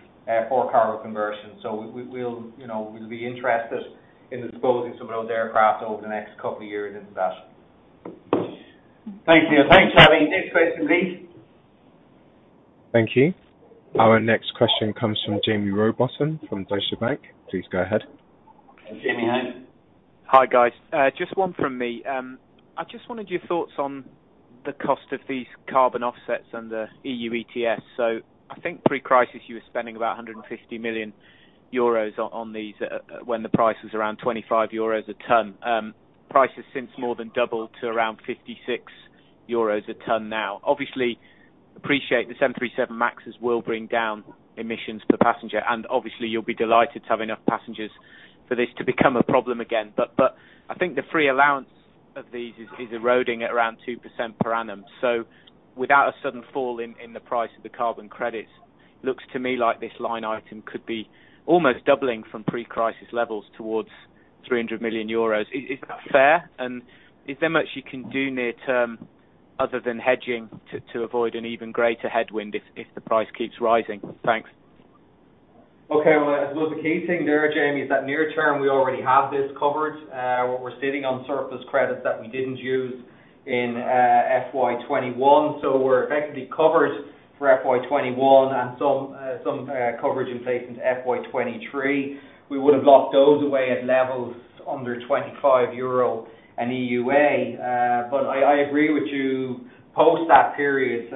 for cargo conversion. We'll be interested in disposing some of those aircraft over the next couple of years into that. Thanks, Neil. Thanks, Savi. Next question, please. Thank you. Our next question comes from Jaime Rowbotham from Deutsche Bank. Please go ahead. Jaime, hi. Hi, guys. Just one from me. I just wanted your thoughts on the cost of these carbon offsets and the EU ETS. I think pre-crisis, you were spending about 150 million euros on these when the price was around 25 euros a ton. Price has since more than doubled to around 56 euros a ton now. Obviously, appreciate the 737 MAXes will bring down emissions per passenger, and obviously you'll be delighted to have enough passengers for this to become a problem again. I think the free allowance. of these is eroding at around 2% per annum. Without a sudden fall in the price of the carbon credits, looks to me like this line item could be almost doubling from pre-crisis levels towards 300 million euros. Is that fair? Is there much you can do near-term other than hedging to avoid an even greater headwind if the price keeps rising? Thanks. Okay. Well, the key thing there, Jaime, is that near-term, we already have this covered. We're sitting on surplus credits that we didn't use in FY 2021. We're effectively covered for FY 2021 and some coverage in place into FY 2023. We would have locked those away at levels under 25 euro an EUA. I agree with you, post that period,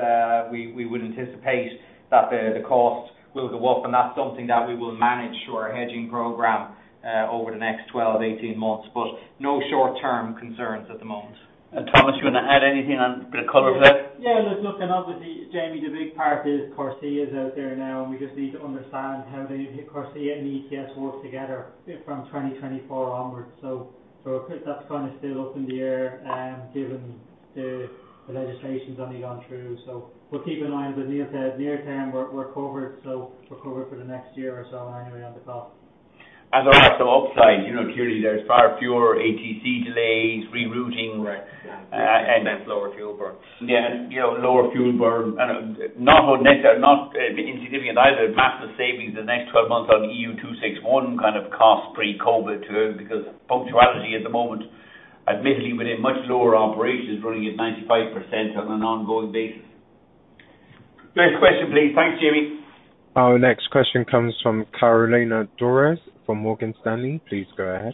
we would anticipate that the cost will go up, and that's something that we will manage through our hedging program over the next 12 to 18 months. No short-term concerns at the moment. Thomas, do you want to add anything on the cover of it? Look, obviously, Jaime, the big part is CORSIA is out there now, and we just need to understand how CORSIA and ETS work together from 2024 onwards. That's still up in the air, given the legislation's only gone through. Keep in mind that near term, we're covered. We're covered for the next year or so anyway on the cost. On the upside, clearly there's far fewer ATC delays, rerouting, and that's lower fuel burn. Not insignificant either, massive savings the next 12 months on EU261 cost pre-COVID too, because punctuality at the moment, admittedly within much lower operations, is running at 95% on an ongoing basis. Next question, please. Thanks, Jaime. Our next question comes from Carolina Dores from Morgan Stanley. Please go ahead.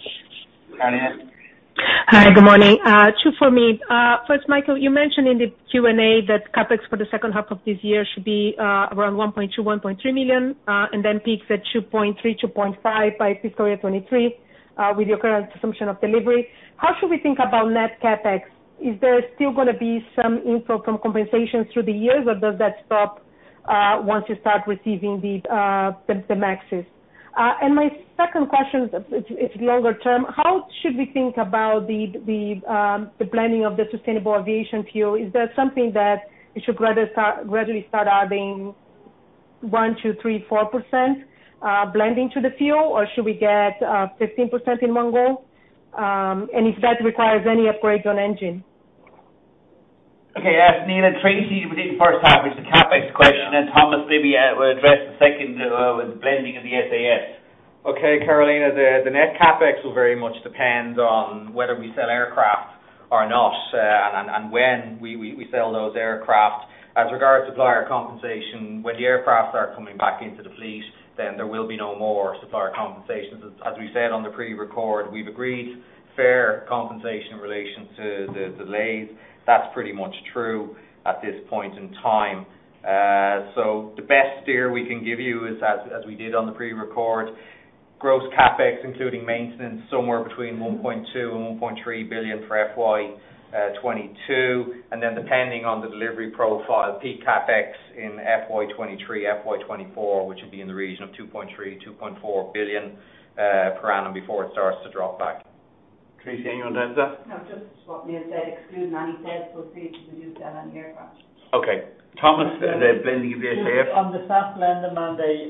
Hi, good morning. Two for me. First, Michael, you mentioned in the Q&A that CapEx for the second half of this year should be around 1.2 billion-1.3 billion, and then peaks at 2.3 billion-2.5 billion by FY 2023 with your current assumption of delivery. How should we think about net CapEx? Is there still going to be some inflow from compensation through the year, or does that stop once you start receiving the MAXes? My second question is longer-term. How should we think about the blending of the sustainable aviation fuel? Is that something that we should readily start adding 1%, 2%, 3%, 4% blending to the fuel, or should we get 15% in one go? If that requires any upgrade on engine. I'll ask Neil, Tracey, you read the first half, which is the CapEx question, and Thomas maybe will address the second with blending of the SAF. Carolina, the net CapEx will very much depend on whether we sell aircraft or not and when we sell those aircraft. As regards supplier compensation, when the aircraft are coming back into the fleet, then there will be no more supplier compensations. As we said on the pre-record, we've agreed fair compensation in relation to the delays. That's pretty much true at this point in time. The best steer we can give you is as we did on the pre-record, gross CapEx, including maintenance, somewhere between 1.2 billion and 1.3 billion for FY 2022. Depending on the delivery profile, peak CapEx in FY 2023, FY 2024, which would be in the region of 2.3 billion, 2.4 billion per annum before it starts to drop back. Tracey, anything on that? No, just what he said. Through 95%, we'll see if we can do better on the aircraft. Okay. Thomas, the blending of the SAF. On the SAF blend mandate,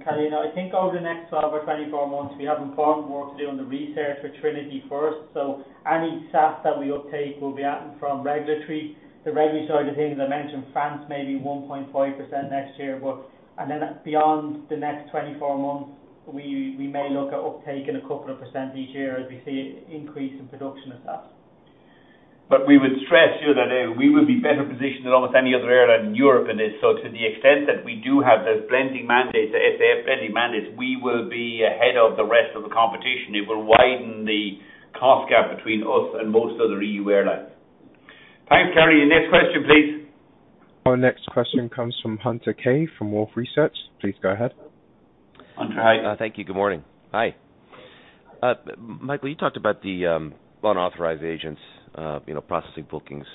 Carolina, I think over the next 12 or 24 months, we have ongoing work doing the research for Trinity first. Any SAF that we uptake will be from regulatory. The regulatory side of things I mentioned France may be 1.5% next year. Beyond the next 24 months, we may look at uptaking a couple of % each year as we see an increase in production of SAF. We would stress too that we would be better positioned than almost any other airline in Europe in this. To the extent that we do have the blending mandate, the SAF blending mandate, we will be ahead of the rest of the competition. It will widen the cost gap between us and most other EU airlines. Thanks, Carolina. Next question, please. Our next question comes from Hunter Keay from Wolfe Research. Please go ahead. Hunter. Hi. Thank you. Good morning. Hi. Michael, you talked about the unauthorized agents passing bookings.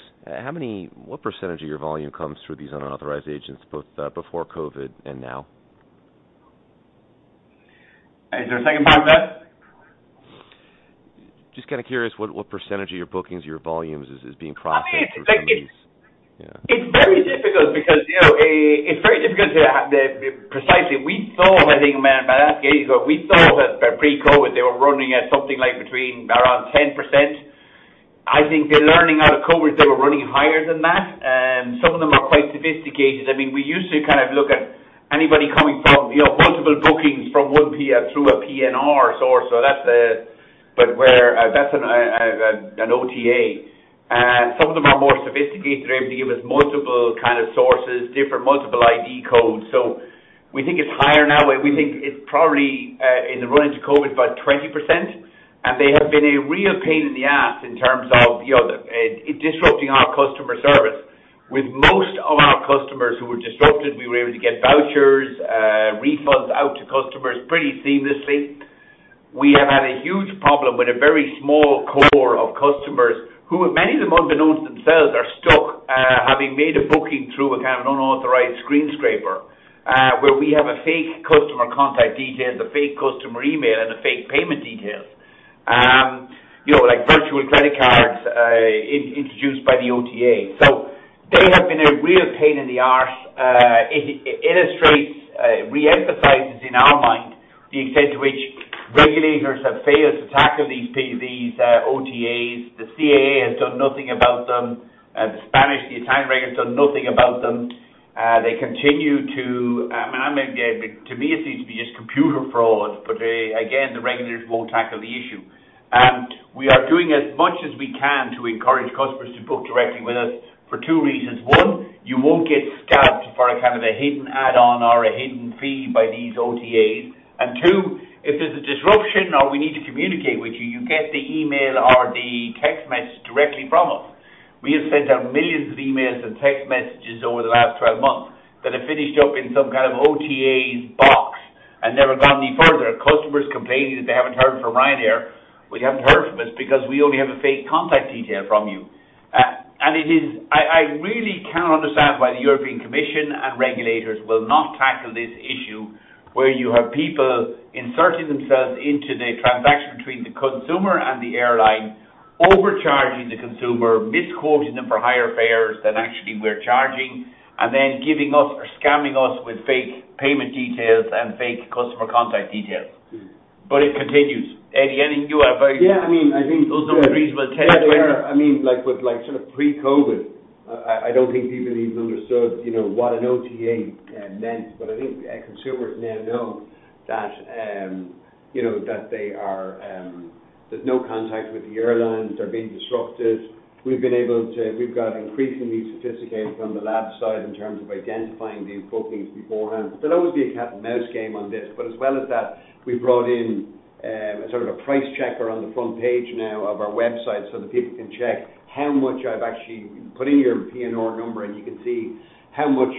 What percentage of your volume comes through these unauthorized agents, both before COVID and now? Is there a second part to that? Just kind of curious what percentage of your bookings or your volumes is being processed through? It's very difficult precisely. We saw, I think, by last gauge, but we saw that pre-COVID, they were running at something like between 10%. I think they're learning out of COVID, they were running higher than that. Some of them are quite sophisticated. We used to look at anybody coming from multiple bookings from one PNR source, so that's an OTA. Some of them are more sophisticated. They're able to give us multiple sources, different multiple ID codes. We think it's higher now. We think it's probably in the run into COVID about 20%, and they have been a real pain in the ass in terms of disrupting our customer service. With most of our customers who were disrupted, we were able to get vouchers, refunds out to customers pretty seamlessly. We have had a huge problem with a very small core of customers who have made them unbeknownst themselves. Having made a booking through a kind of unauthorized screen scraper, where we have a fake customer contact detail, a fake customer email, and a fake payment detail, like virtual credit cards introduced by the OTA. They have been a real pain in the arse. It illustrates, re-emphasizes in our mind, the extent to which regulators have failed to tackle these OTAs. The CAA has done nothing about them. The Spanish regulators have done nothing about them. To me, it seems to be just computer fraud, but again, the regulators won't tackle the issue. We are doing as much as we can to encourage customers to book directly with us for two reasons. One, you won't get scammed for a kind of a hidden add-on or a hidden fee by these OTAs. Two, if there's a disruption or we need to communicate with you get the email or the text message directly from us. We have sent out millions of emails and text messages over the last 12 months that have finished up in some kind of OTA box and never gone any further. Customers complaining that they haven't heard from Ryanair. Well, you haven't heard from us because we only have a fake contact detail from you. I really can't understand why the European Commission and regulators will not tackle this issue where you have people inserting themselves into the transaction between the consumer and the airline, overcharging the consumer, misquoting them for higher fares than actually we're charging, and then scamming us with fake payment details and fake customer contact details. It continues. Eddie, anything you want to add? Yeah. Those sort of reasonable 10- I mean, pre-COVID, I don't think people even understood what an OTA meant. I think consumers now know that there's no contact with the airlines, they're being disrupted. We've got increasingly sophisticated from the labs side in terms of identifying these bookings beforehand. There'll always be a cat and mouse game on this, but as well as that, we brought in a sort of a price checker on the front page now of our website so that people can check how much. Put in your PNR number and you can see how much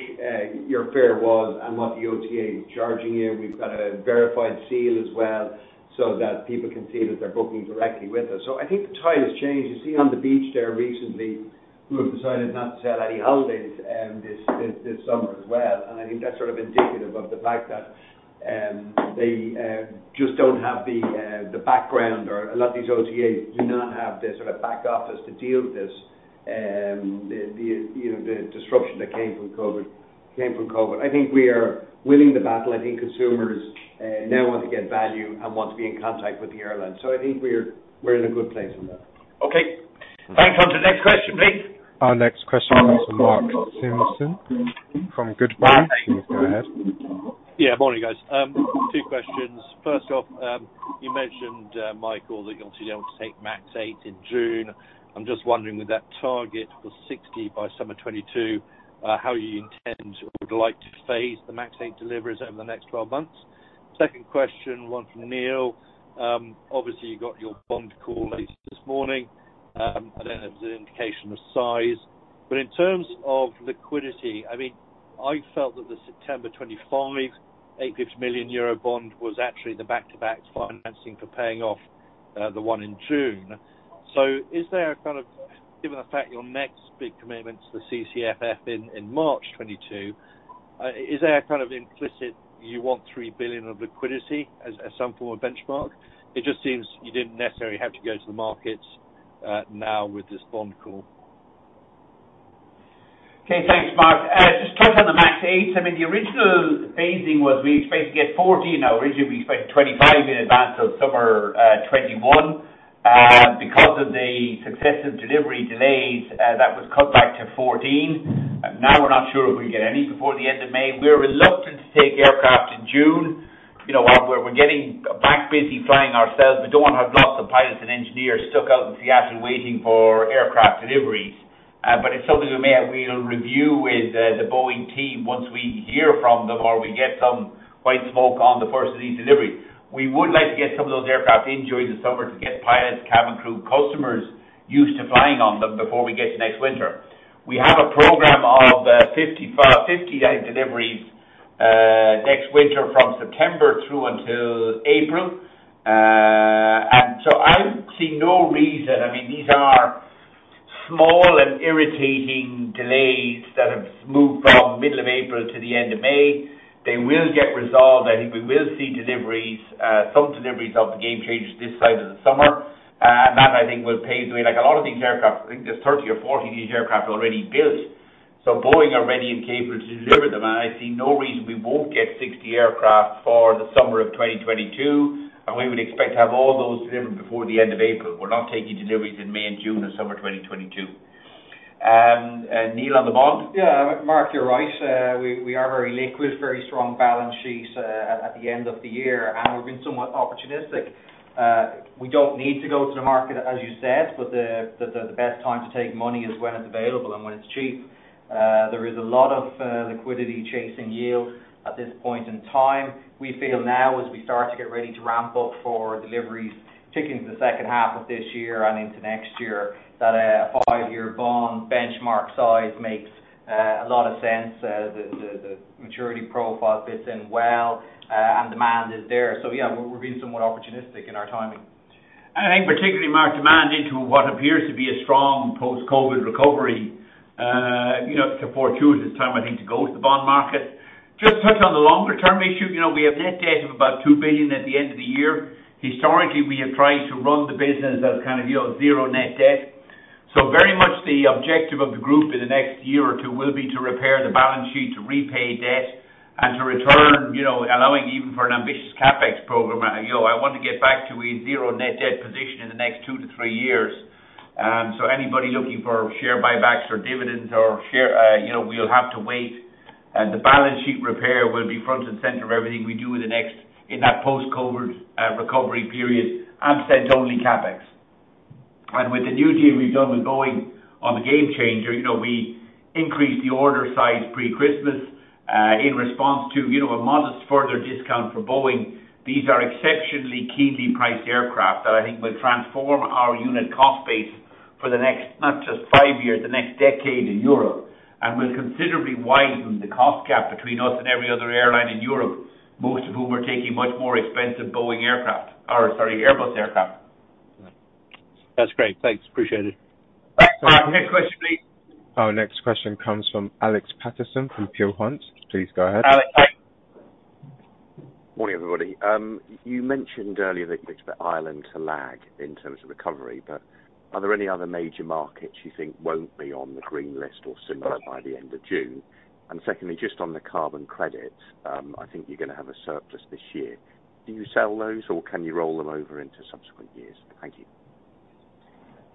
your fare was and what the OTA is charging you. We've got a verified seal as well so that people can see that they're booking directly with us. I think the tide has changed. You see On the Beach there recently, people have decided not to sell any holidays this summer as well. I think that's sort of indicative of the fact that they just don't have the background or a lot of these OTAs do not have the sort of back office to deal with this, the disruption that came from COVID. I think we are winning the battle. I think consumers now want to get value and want to be in contact with the airline. I think we're in a good place on that. Okay. Time for the next question, please. Our next question comes from Mark Simpson from Goodbody. Mark, you can go ahead. Morning, guys. Two questions. First off, you mentioned, Michael, that you're obviously able to take MAX 8 in June. I'm just wondering with that target for 60 by summer 2022, how you intend or would like to phase the MAX 8 deliveries over the next 12 months? Second question, one for Neil. Obviously, you got your bond call later this morning. I don't know if there's an indication of size. In terms of liquidity, I felt that the September 2025, 850 million Eurobond was actually the back-to-back financing for paying off the one in June. Given the fact your next big commitment to the CCFF in March 2022, is there a kind of implicit you want 3 billion of liquidity as some form of benchmark? It just seems you didn't necessarily have to go to the markets now with this bond call. Okay. Thanks, Mark. Just touch on the MAX 8. The original phasing was we were supposed to get 14. Originally we expected 25 in advance of summer 2021. Because of the successive delivery delays, that was cut back to 14. We're not sure if we get any before the end of May. We're reluctant to take aircraft in June. We're getting back basically flying ourselves. We don't want to have lots of pilots and engineers stuck out in Seattle waiting for aircraft deliveries. It's something we will review with the Boeing team once we hear from them or we get some white smoke on the first of these deliveries. We would like to get some of those aircraft in during the summer to get pilots, cabin crew, customers used to flying on them before we get to next winter. We have a program of 55 deliveries next winter from September through until April. I see no reason. These are small and irritating delays that have moved from middle of April to the end of May. They will get resolved. I think we will see some deliveries off the Gamechangers this side of the summer. That I think will phase the way. A lot of these aircraft, I think there's 30 or 40 of these aircraft already built. Boeing are ready and capable to deliver them. I see no reason we won't get 60 aircraft for the summer of 2022, and we would expect to have all those delivered before the end of April. We're not taking deliveries in May and June of summer 2022. Neil Sorahan, on the bond? Yeah, Mark, you're right. We are very liquid, very strong balance sheet at the end of the year, and we've been somewhat opportunistic. We don't need to go to the market, as you said, but the best time to take money is when it's available and when it's cheap. There is a lot of liquidity chasing yield at this point in time. We feel now as we start to get ready to ramp up for deliveries, particularly in the second half of this year and into next year, that a five-year bond benchmark size makes a lot of sense. The maturity profile fits in well, and demand is there. Yeah, we're being somewhat opportunistic in our timing. I think particularly market demand into what appears to be a strong post-COVID recovery. Fortuitous time, I think, to go to the bond market. Just touch on the longer-term issue. We have net debt of about 2 billion at the end of the year. Historically, we have tried to run the business as kind of zero net debt. Very much the objective of the group in the next year or two will be to repair the balance sheet, to repay debt, and to return, allowing even for an ambitious CapEx program, I want to get back to a zero net debt position in the next two to three years. Anybody looking for share buybacks or dividends, you'll have to wait. The balance sheet repair will be front and center of everything we do in that post-COVID recovery period, absent only CapEx. With the new deal we've done with Boeing on the Gamechanger, we increased the order size pre-Christmas, in response to a modest further discount for Boeing. These are exceptionally keenly priced aircraft that I think will transform our unit cost base for not just five years, the next decade in Europe. Will considerably widen the cost gap between us and every other airline in Europe, most of whom are taking much more expensive Boeing aircraft, or sorry, Airbus aircraft. That's great. Thanks. Appreciate it. Next question, please. Our next question comes from Alex Paterson from Peel Hunt. Please go ahead. Alex. Morning, everybody. You mentioned earlier that you expect Ireland to lag in terms of recovery, but are there any other major markets you think won't be on the green list or similar by the end of June? Secondly, just on the carbon credits, I think you're going to have a surplus this year. Do you sell those or can you roll them over into subsequent years? Thank you.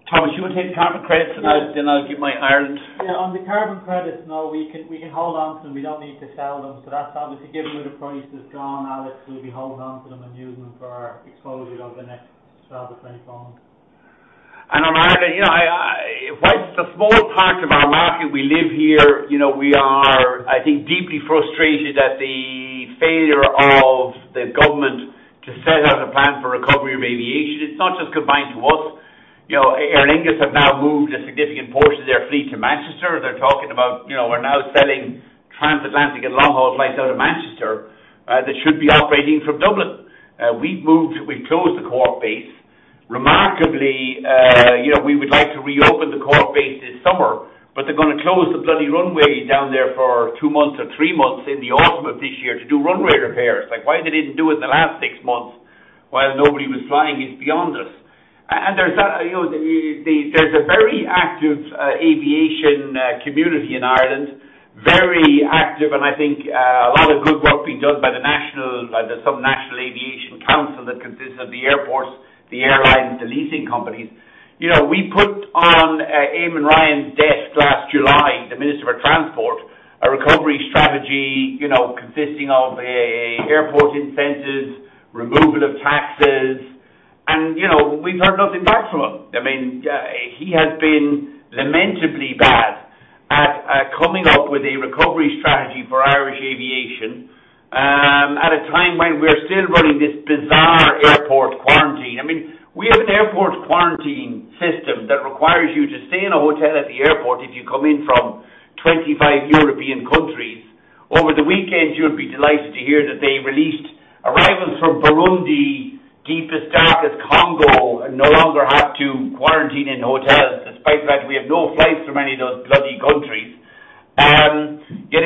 Thomas, do you want to take carbon credits and then I'll do my Ireland? On the carbon credits, no, we can hold onto them. We don't need to sell them. That's obviously given where the price has gone, Alex, we'll be holding onto them and using them for exposure over the next 12-24 months. On Ireland, while it's a small part of our market, we live here. We are, I think, deeply frustrated at the failure of the government to set out a plan for recovery of aviation. It's not just confined to us. Aer Lingus have now moved a significant portion of their fleet to Manchester. They're talking about we're now selling transatlantic and long-haul flights out of Manchester that should be operating from Dublin. We've closed the Cork base. Remarkably, we would like to reopen the Cork base this summer, they're going to close the bloody runway down there for two months or three months in the autumn of this year to do runway repairs. Why they didn't do it in the last six months while nobody was flying is beyond us. There's a very active aviation community in Ireland, very active, and I think a lot of good work being done by the National Aviation Council that consists of the airports, the airlines, and leasing companies. We put on Eamon Ryan's desk last July, the Minister for Transport, a recovery strategy consisting of airport incentives, removal of taxes, and we've heard nothing back from him. He has been lamentably bad at coming up with a recovery strategy for Irish aviation, at a time when we're still running this bizarre airport quarantine. We have this airport quarantine system that requires you to stay in a hotel at the airport if you come in from 25 European countries. Over the weekend, you'll be delighted to hear that they released arrivals from Burundi, Guinea-Bissau, and Congo no longer have to quarantine in hotels, despite the fact we have no flights from any of those bloody countries.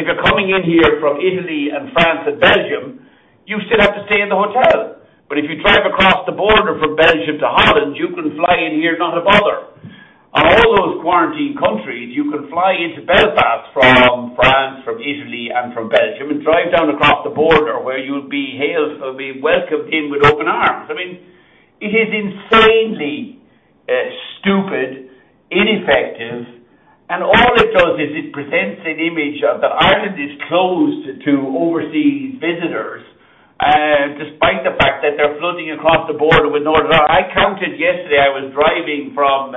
If you're coming in here from Italy and France and Belgium, you still have to stay in a hotel. If you drive across the border from Belgium to Holland, you can fly in here, not a bother. All those quarantined countries, you can fly into Belfast from France, from Italy, and from Belgium, and drive down across the border where you'll be hailed, you'll be welcomed in with open arms. It is insanely stupid, ineffective, and all it does is it presents an image that Ireland is closed to overseas visitors, despite the fact that they're flooding across the border with Northern Ireland. I counted yesterday, I was driving from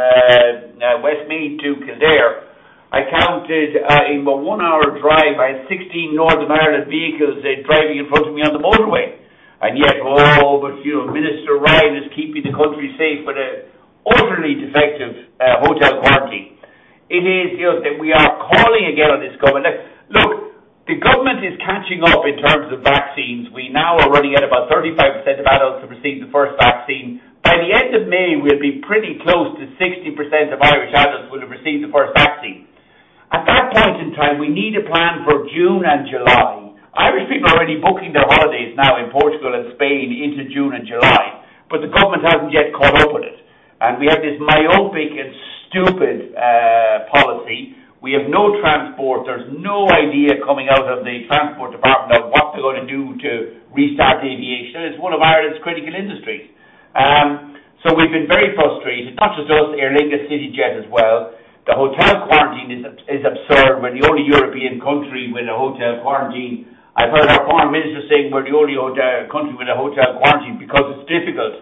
Westmeath to Kildare. I counted in my one-hour drive, I had 16 Northern Ireland vehicles driving in front of me on the motorway. You might go, "Oh, but Minister Ryan is keeping the country safe with a utterly defective hotel quarantine." We are calling again on this government. Look, the government is catching up in terms of vaccines. We now already have about 35% of adults who received the first vaccine. By the end of May, we'll be pretty close to 60% of Irish adults will have received the first vaccine. At that point in time, we need a plan for June and July. Irish people are already booking their holidays now in Portugal and Spain into June and July, but the government hasn't yet caught up with it. We have this myopic and stupid policy. We have no transport. There's no idea coming out of the transport department of what they're going to do to restart aviation. It's one of Ireland's critical industries. We've been very frustrated. It touches us, Aer Lingus, CityJet as well. The hotel quarantine is absurd. We're the only European country with a hotel quarantine. I've heard our foreign minister saying we're the only country with a hotel quarantine because it's difficult.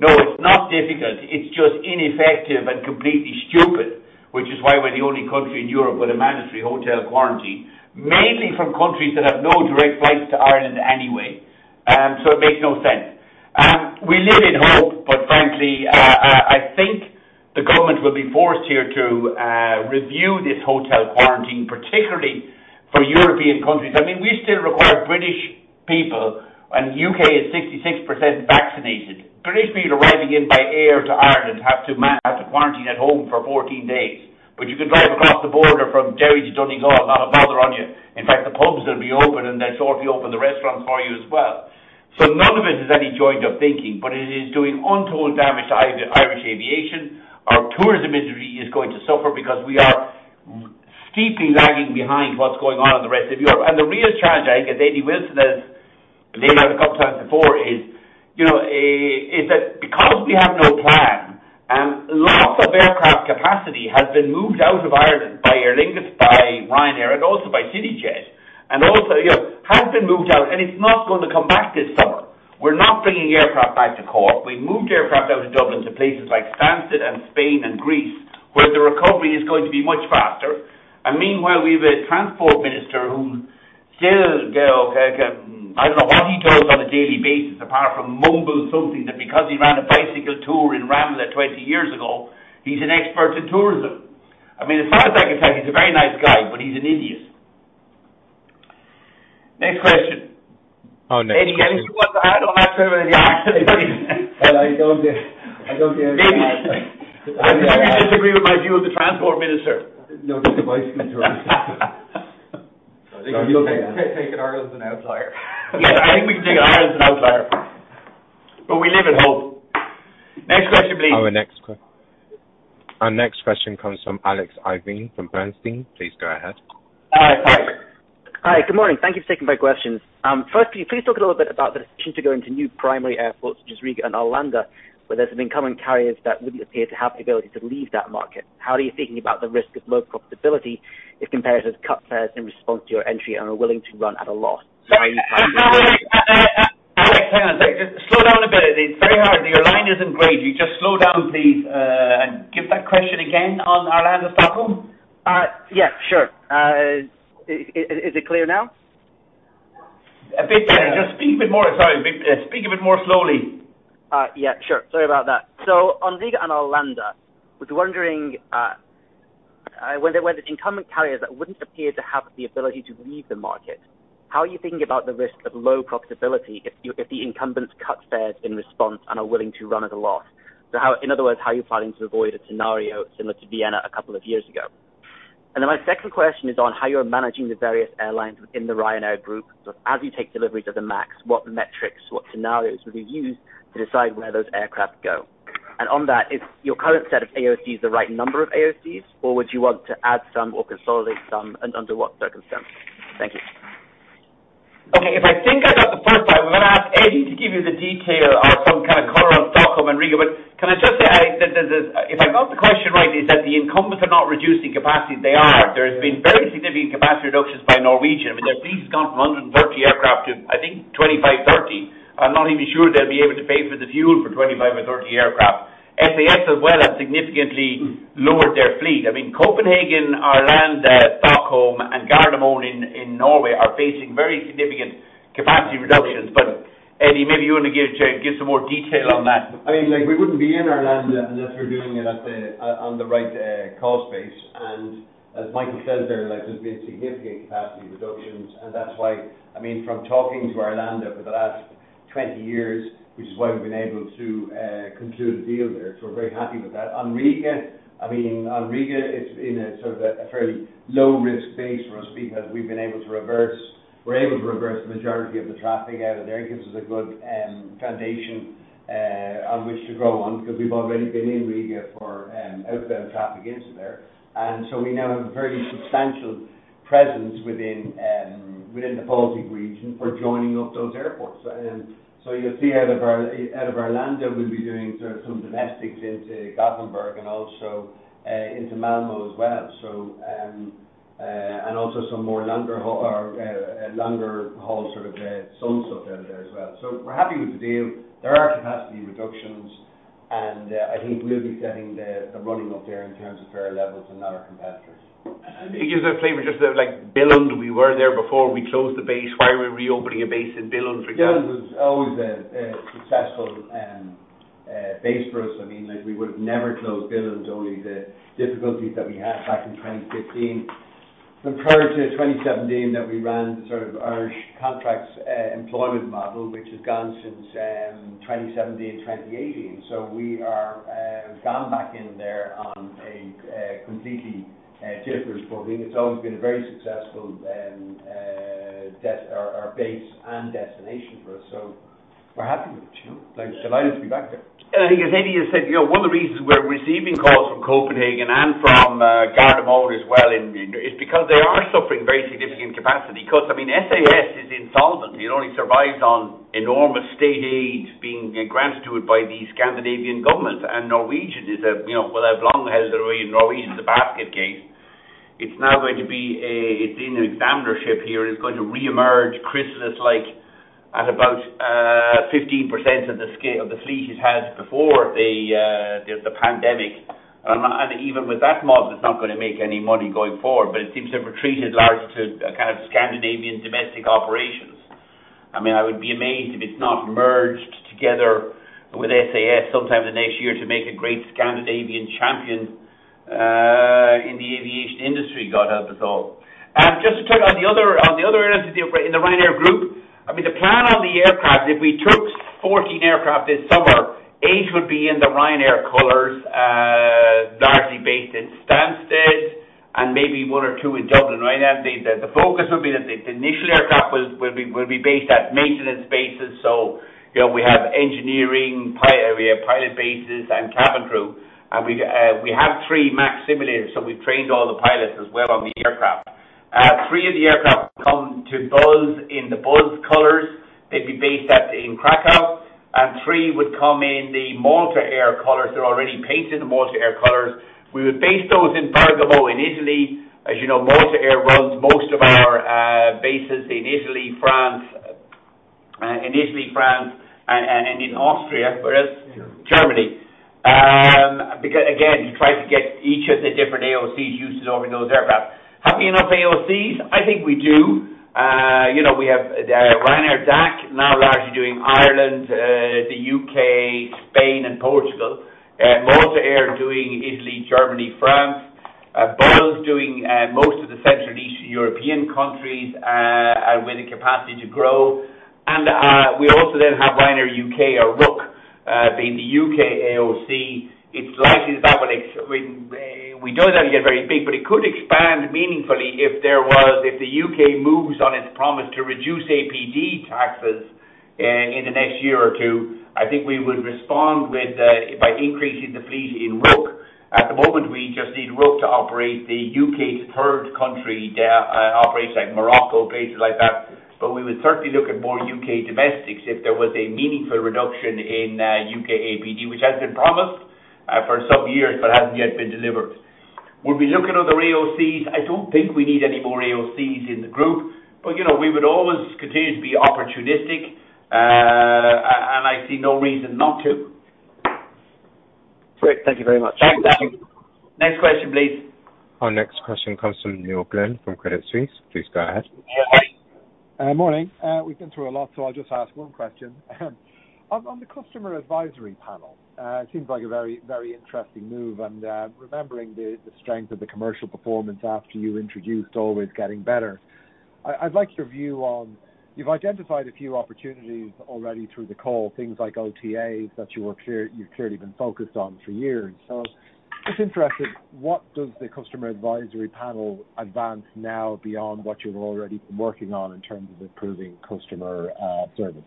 No, it's not difficult. It's just ineffective and completely stupid, which is why we're the only country in Europe with a mandatory hotel quarantine, mainly from countries that have no direct flights to Ireland anyway. It makes no sense. We live in hope. Frankly, I think we will be forced here to review this hotel quarantine, particularly for European countries. We still require British people. U.K. is 66% vaccinated. British people arriving in by air to Ireland have to quarantine at home for 14 days, but you can drive across the border from Derry to Donegal, not a bother on you. In fact, the pubs will be open, and they'll shortly open the restaurants for you as well. None of it is any joint of thinking, but it is doing untold damage to Irish aviation. Our tourism industry is going to suffer because we are steeply lagging behind what's going on in the rest of Europe. The real challenge, I think as Eddie Wilson has laid out a couple times before, is that because we have no plan, lots of aircraft capacity has been moved out of Ireland by Aer Lingus, by Ryanair, and also by CityJet. Also has been moved out, and it's not going to come back this summer. We're not bringing aircraft back to Cork. We moved aircraft out of Dublin to places like Stansted and Spain and Greece, where the recovery is going to be much faster. Meanwhile, we have a transport minister whom still, I don't know what he tells on a daily basis apart from mumble something that because he ran a bicycle tour in Ranelagh 20 years ago, he's an expert in tourism. As far as I can tell, he's a very nice guy, but he's an idiot. Next question. Oh, next question. Eddie, anything you want to add on that sort of an argument? Well, I don't think I have. Eddie. Eddie, you disagree with my view of the transport minister? No to the bicycle tourism. I think we can take Ireland as an outlier. Yes, I think we can take Ireland as an outlier. We live in hope. Next question, please. Our next question comes from Alex Irving from Bernstein. Please go ahead. Hi, Alex. Hi, good morning. Thank you for taking my questions. First, can you please talk a little bit about the decision to go into new primary airports, which is Riga and Arlanda, where there's some incumbent carriers that wouldn't appear to have the ability to leave that market. How are you thinking about the risk of low profitability if competitors cut fares in response to your entry and are willing to run at a loss? Alex, hang on a second. Slow down a bit. It's very hard. Your line isn't great. You just slow down, please, and give that question again on Arlanda, Stockholm. Yeah, sure. Is it clear now? A bit better. Sorry. Speak a bit more slowly. Yeah, sure. Sorry about that. On Riga and Arlanda, I was wondering where there were incumbent carriers that wouldn't appear to have the ability to leave the market, how are you thinking about the risk of low profitability if the incumbents cut fares in response and are willing to run at a loss? In other words, how are you planning to avoid a scenario similar to Vienna a couple of years ago? My second question is on how you're managing the various airlines within the Ryanair Group. As you take deliveries of the MAX, what metrics, what scenarios will be used to decide where those aircraft go? On that, is your current set of AOC the right number of AOCs? Or would you want to add some or consolidate some, and under what circumstance? Thank you. Okay. If I think I got the first part, I'm going to ask Eddie to give you the detail or some kind of color on Stockholm and Riga. Can I just say, if I got the question right, is that the incumbents are not reducing capacity. They are. There has been very significant capacity reductions by Norwegian. Their fleet has gone from 130 aircraft to I think 25, 30. I'm not even sure they'll be able to pay for the fuel for 25 or 30 aircraft. SAS as well have significantly lowered their fleet. Copenhagen, Arlanda, Stockholm, and Gardermoen in Norway are facing very significant capacity reductions. Eddie, maybe you want to give some more detail on that. We wouldn't be in Arlanda unless we're doing it on the right cost base. As Michael says there's been significant capacity reductions. From talking to Arlanda for the last 20 years, which is why we've been able to conclude a deal there. We're very happy with that. On Riga, it's been a sort of a fairly low-risk base for us because we're able to reverse the majority of the traffic out of there. It gives us a good foundation on which to grow on because we've already been in Riga for outbound traffic into there. We now have a very substantial presence within the Baltic region for joining up those airports. You'll see out of Arlanda, we'll be doing sort of some domestics into Gothenburg and also into Malmo as well. Also some more longer haul sort of sun stuff out of there as well. We're happy with the deal. There are capacity reductions, and I think we'll be getting the running up there in terms of fare levels and other competitors. Can you give us a flavor just of Billund? We were there before. We closed the base. Why are we reopening a base in Billund for example? Billund was always a successful base for us. We would've never closed Billund only the difficulties that we had back in 2015. Prior to 2017 that we ran sort of Irish contracts employment model, which has gone since 2017, 2018. We are gone back in there on a completely different footing. It's always been a very successful base and destination for us. We're happy with it. Delighted to be back there. I think as Eddie Wilson has said, one of the reasons we're receiving calls from Copenhagen and from Gardermoen as well is because they are suffering very significant capacity. SAS is insolvent. It only survives on enormous state aid being granted to it by the Scandinavian government. I've long held the view Norwegian's a basket case. It's in examinership here, and it's going to reemerge chrysalis-like at about 15% of the fleet it had before the pandemic. Even with that model, it's not going to make any money going forward. It seems they've retreated large to a kind of Scandinavian domestic operation. I would be amazed if it's not merged together with SAS sometime in the next year to make a great Scandinavian champion in the aviation industry. God help us all. Just to touch on the other entities in the Ryanair Group. The plan on the aircraft, if we took 14 aircraft this summer, eight would be in the Ryanair colors, largely based in Stansted and maybe one or two in Dublin. Right now, the focus would be that the initial aircraft will be based at maintenance bases. We have engineering, we have pilot bases and cabin crew. We have three MAX simulators, so we've trained all the pilots as well on the aircraft. Three of the aircraft will come to Buzz in the Buzz colors. They'd be based in Krakow. Three would come in the Malta Air colors. They're already painted in Malta Air colors. We would base those in Bergamo, in Italy. As you know, Malta Air runs most of our bases in Italy, France, and in Austria. Where else? Germany. Again, to try to get each of the different AOCs used to knowing those aircraft. Have we enough AOCs? I think we do. We have Ryanair DAC, now largely doing Ireland, the U.K., Spain, and Portugal. Malta Air doing Italy, Germany, France. Buzz doing most of the Central and Eastern European countries with the capacity to grow. We also then have Ryanair UK or RUK, being the U.K. AOC. We know it doesn't get very big, but it could expand meaningfully if the U.K. moves on its promise to reduce APD taxes in the next year or two. I think we would respond by increasing the fleet in RUK. At the moment, we just need RUK to operate the U.K. to third country operations like Morocco, places like that. We would certainly look at more U.K. domestics if there was a meaningful reduction in U.K. APD, which has been promised for some years, but hasn't yet been delivered. Would we look at other AOCs? I don't think we need any more AOCs in the group. We would always continue to be opportunistic, and I see no reason not to. Great. Thank you very much. Thanks. Next question, please. Our next question comes from Neil Glynn from Credit Suisse. Please go ahead. Morning. We've been through a lot, so I'll just ask one question. On the customer advisory panel, it seems like a very interesting move and remembering the strength of the commercial performance after you introduced Always Getting Better. I'd like your view on, you've identified a few opportunities already through the call, things like OTAs that you've clearly been focused on for years. Just interested, what does the customer advisory panel advance now beyond what you've already been working on in terms of improving customer service?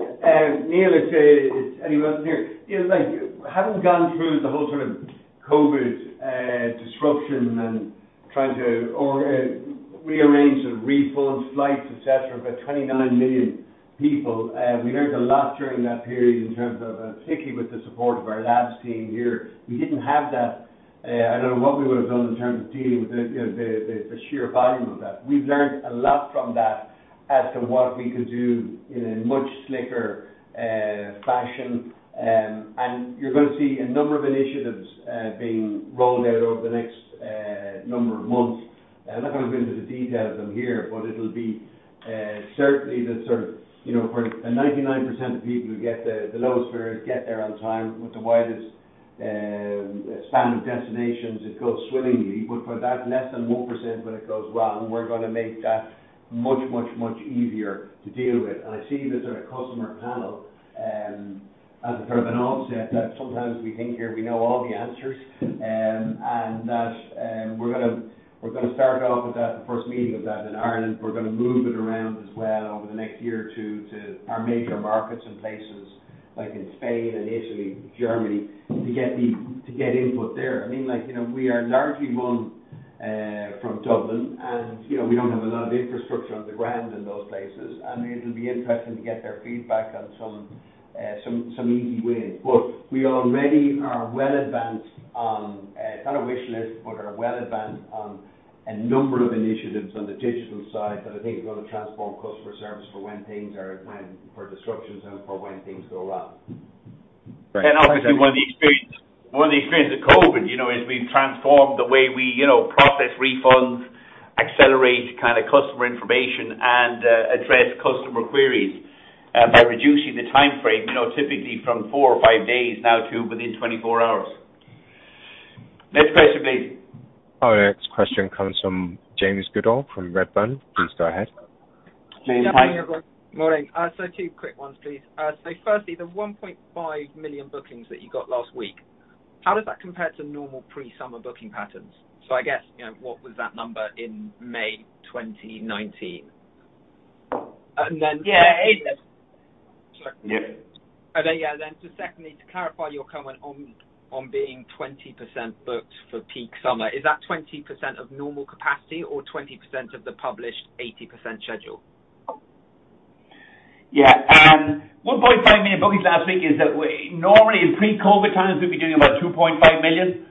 Neil, if anyone's here. Neil, having gone through the whole sort of COVID disruption and trying to rearrange and refund flights, et cetera, for 29 million people. We learned a lot during that period in terms of, particularly with the support of our labs team here. We didn't have that. I don't know what we would have done in terms of dealing with the sheer volume of that. We've learned a lot from that as to what we could do in a much slicker fashion. You're going to see a number of initiatives being rolled out over the next number of months. I'm not going to go into the detail of them here, it'll be certainly the sort of for 99% of people who get the lowest fares, get there on time with the widest span of destinations, it goes swimmingly. For that less than 1% when it goes wrong, we're going to make that much easier to deal with. I see the customer panel as a sort of an offset that sometimes we think here we know all the answers. We're going to start off with that, the first meeting of that in Ireland. We're going to move it around as well over the next year or two to our major markets and places like in Spain and Italy, Germany, to get input there. We are largely run from Dublin, and we don't have a lot of infrastructure on the ground in those places. It'll be interesting to get their feedback on some easy wins. We already are well advanced on, it's not a wish list, but are well advanced on a number of initiatives on the digital side that I think are going to transform customer service for when things are a time for disruptions and for when things go well. Great. Obviously one of the experience of COVID has been transformed the way we process refunds, accelerate customer information, and address customer queries by reducing the time frame, typically from four or five days now to within 24 hours. Next question, please. Our next question comes from James Goodall from Redburn. Please go ahead. James. Morning, everyone. Morning. Two quick ones, please. Firstly, the 1.5 million bookings that you got last week, how does that compare to normal pre-summer booking patterns? I guess, what was that number in May 2019? Yeah. Sorry. Yeah. Yeah. Secondly, to clarify your comment on being 20% booked for peak summer. Is that 20% of normal capacity or 20% of the published 80% schedule? Yeah. 1.5 million bookings last week is that normally in pre-COVID times, we'd be doing about 2.5 million.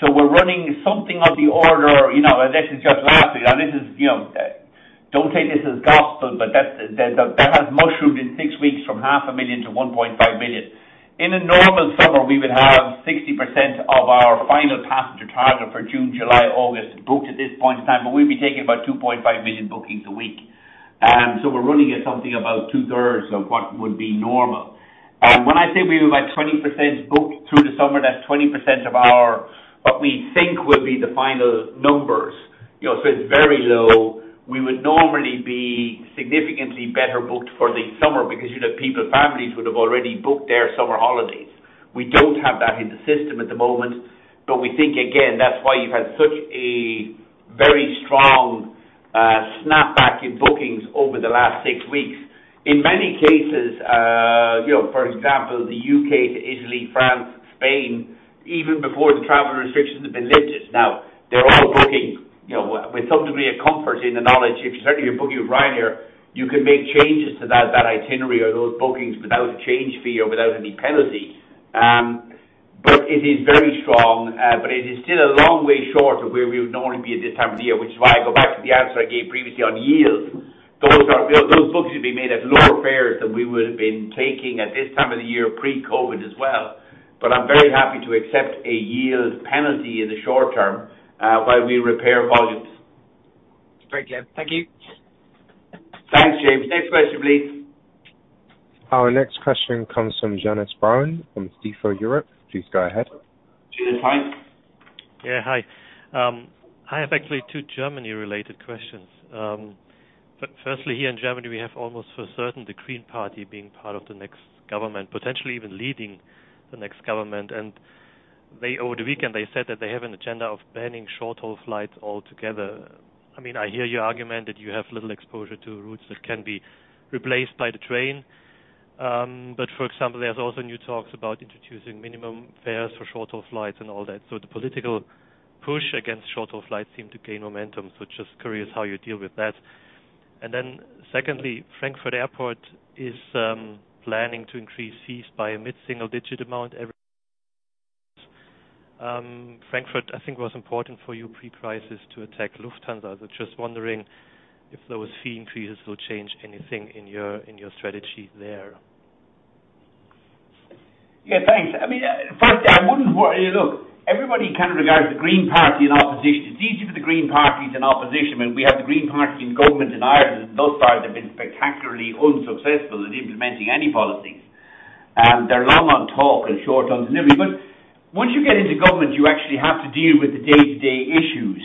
We're running something of the order of, this is just last week. Don't take this as gospel, but that has mushroomed in six weeks from 500,000 to 1.5 million. In a normal summer, we would have 60% of our final for June, July, August booked at this point in time, but we'll be taking about 2.5 million bookings a week. We're running at something about two-thirds of what would be normal. When I say we were about 20% booked through the summer, that's 20% of our what we think will be the final numbers. It's very low. We would normally be significantly better booked for the summer because people, families would have already booked their summer holidays. We don't have that in the system at the moment. We think, again, that's why you've had such a very strong snap back in bookings over the last six weeks. In many cases, for example, the U.K. to Italy, France, Spain, even before the travel restrictions have been lifted. Now they're all booking with some degree of comfort in the knowledge if certainly you're booking with Ryanair, you can make changes to that itinerary or those bookings without a change fee or without any penalty. It is very strong, but it is still a long way short of where we would normally be at this time of the year, which is why I go back to the answer I gave previously on yield. Those bookings will be made at lower fares than we would have been taking at this time of the year pre-COVID as well. I'm very happy to accept a yield penalty in the short term while we repair volumes. Great, yeah. Thank you. Thanks, James. Next question please. Our next question comes from Jarrod Castle from UBS. Please go ahead. Jarrod, hi. Yeah, hi. I have actually two Germany-related questions. Firstly, here in Germany, we have almost for certain the Green Party being part of the next government, potentially even leading the next government. Over the weekend, they said that they have an agenda of banning short-haul flights altogether. I hear your argument that you have little exposure to routes that can be replaced by the train. For example, there's also new talks about introducing minimum fares for short-haul flights and all that. The political push against short-haul flights seem to gain momentum. Just curious how you deal with that. Secondly, Frankfurt Airport is planning to increase fees by a mid-single digit amount every. Frankfurt, I think, was important for you pre-crisis to attack Lufthansa. Just wondering if those fee increases will change anything in your strategy there. Yeah, thanks. Firstly, look, everybody kind of regards the Green Party in opposition. It's easy for the Green Party in opposition. We have the Green Party in government in Ireland. Thus far they've been spectacularly unsuccessful in implementing any policies. They're long on talk and short on delivery. Once you get into government, you actually have to deal with the day-to-day issues.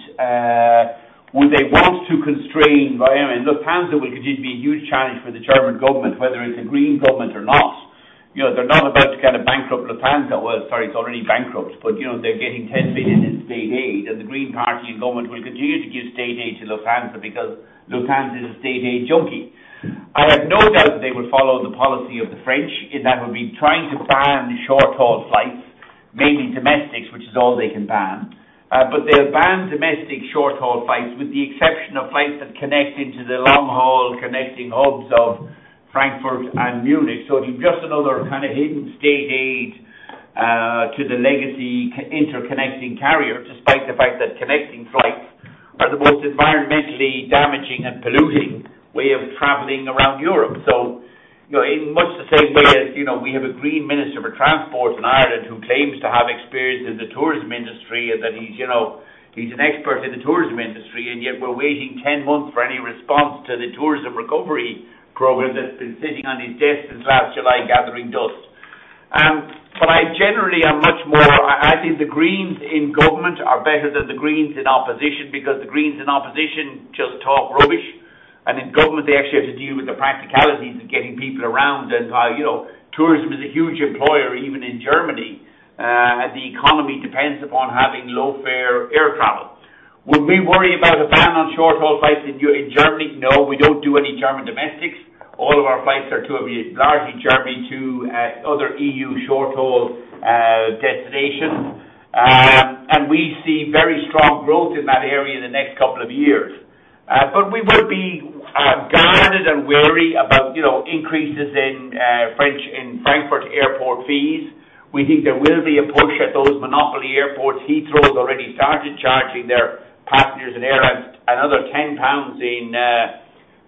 Would they want to constrain Ryanair and Lufthansa, which would be a huge challenge for the German government, whether it's a Green government or not. They're not about to bankrupt Lufthansa. Sorry, it's already bankrupt. They're getting 10 billion in state aid and the Green Party in government will continue to give state aid to Lufthansa because Lufthansa is a state aid junkie. I have no doubt that they would follow the policy of the French in that would be trying to ban short-haul flights, mainly domestics, which is all they can ban. They'll ban domestic short-haul flights with the exception of flights that connect into the long-haul connecting hubs of Frankfurt and Munich. It'll be just another kind of hidden state aid to the legacy interconnecting carrier, despite the fact that connecting flights are the most environmentally damaging and polluting way of traveling around Europe. In much the same way as we have a Green Minister for Transport in Ireland who claims to have experience in the tourism industry, and that he's an expert in the tourism industry, and yet we're waiting 10 months for any response to the tourism recovery program that's been sitting on his desk since last July gathering dust. Generally, I think the Greens in government are better than the Greens in opposition because the Greens in opposition just talk rubbish, and in government, they actually have to deal with the practicalities of getting people around and how tourism is a huge employer even in Germany. The economy depends upon having low-fare air travel. Would we worry about a ban on short-haul flights in Germany? No, we don't do any German domestics. All of our flights are to largely Germany to other EU short-haul destinations. We see very strong growth in that area in the next couple of years. We will be guarded and wary about increases in Frankfurt Main fees. We think there will be a push at those monopoly airports. Heathrow's already started charging their passengers and airlines another 10 pounds in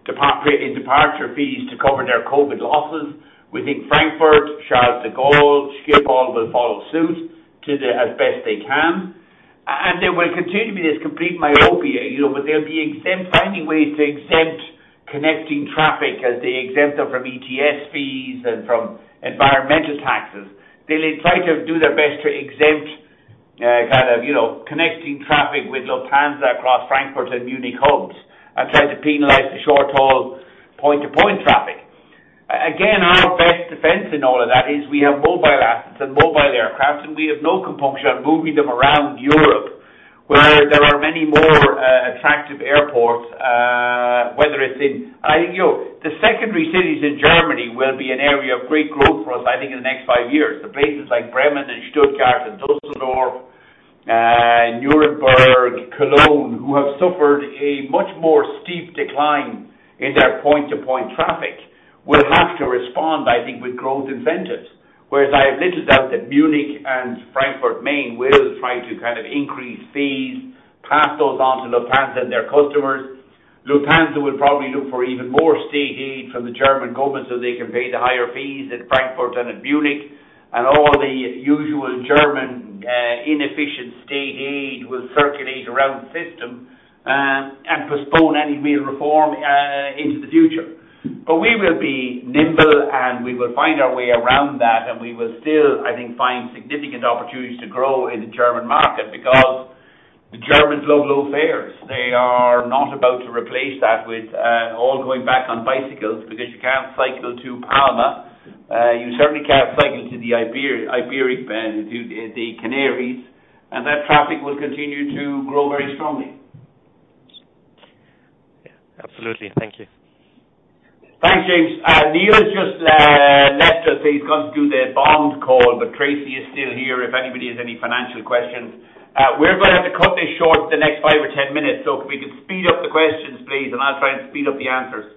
departure fees to cover their COVID losses. We think Frankfurt, Charles de Gaulle, Schiphol will follow suit as best they can. There will continue to be this complete myopia, where they'll be finding ways to exempt connecting traffic as they exempt them from ETS fees and from environmental taxes. They'll try to do their best to exempt connecting traffic with Lufthansa across Frankfurt and Munich hubs and try to penalize the short-haul point-to-point traffic. Again, our best defense in all of that is we have mobile assets and mobile aircraft, and we have no compunction on moving them around Europe where there are many more attractive airports. The secondary cities in Germany will be an area of great growth for us, I think, in the next five years. The places like Bremen and Stuttgart and Dusseldorf, Nuremberg, Cologne, who have suffered a much more steep decline in their point-to-point traffic, will have to respond, I think, with growth incentives. Whereas I have little doubt that Munich and Frankfurt Main will try to increase fees, pass those on to Lufthansa and their customers. Lufthansa will probably look for even more state aid from the German government so they can pay the higher fees at Frankfurt and at Munich, and all the usual German inefficient state aid will circulate around the system and postpone any real reform into the future. We will be nimble and we will find our way around that, and we will still, I think, find significant opportunities to grow in the German market because the Germans love low fares. They are not about to replace that with all going back on bicycles, because you can't cycle to Palma. You certainly can't cycle to the Canaries, and that traffic will continue to grow very strongly. Yeah, absolutely. Thank you. Thanks, James. Neil has just left us so he can do the bond call, but Tracey is still here if anybody has any financial questions. We're going to have to cut this short to the next five or 10 minutes, so if we could speed up the questions, please, and I'll try and speed up the answers.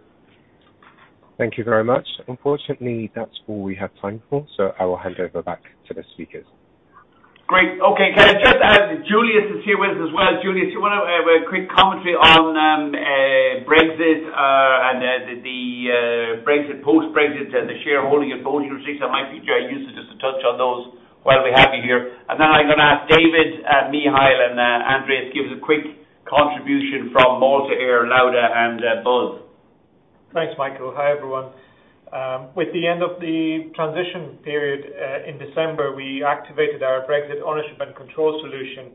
Thank you very much. Unfortunately, that is all we have time for, so I will hand you over back to the speakers. Great. Okay. Can I just, Juliusz is here with us as well. Juliusz, do you want to a quick commentary on Brexit and the Brexit post-Brexit and the shareholding and voting restrictions, I think you useful to just touch on those while we have you here? Then I'm going to ask David, Michal, and Andreas to give us a quick contribution from Malta Air, Lauda Europe, and Buzz. Thanks, Michael. Hi, everyone. With the end of the transition period in December, we activated our Brexit ownership and control solution.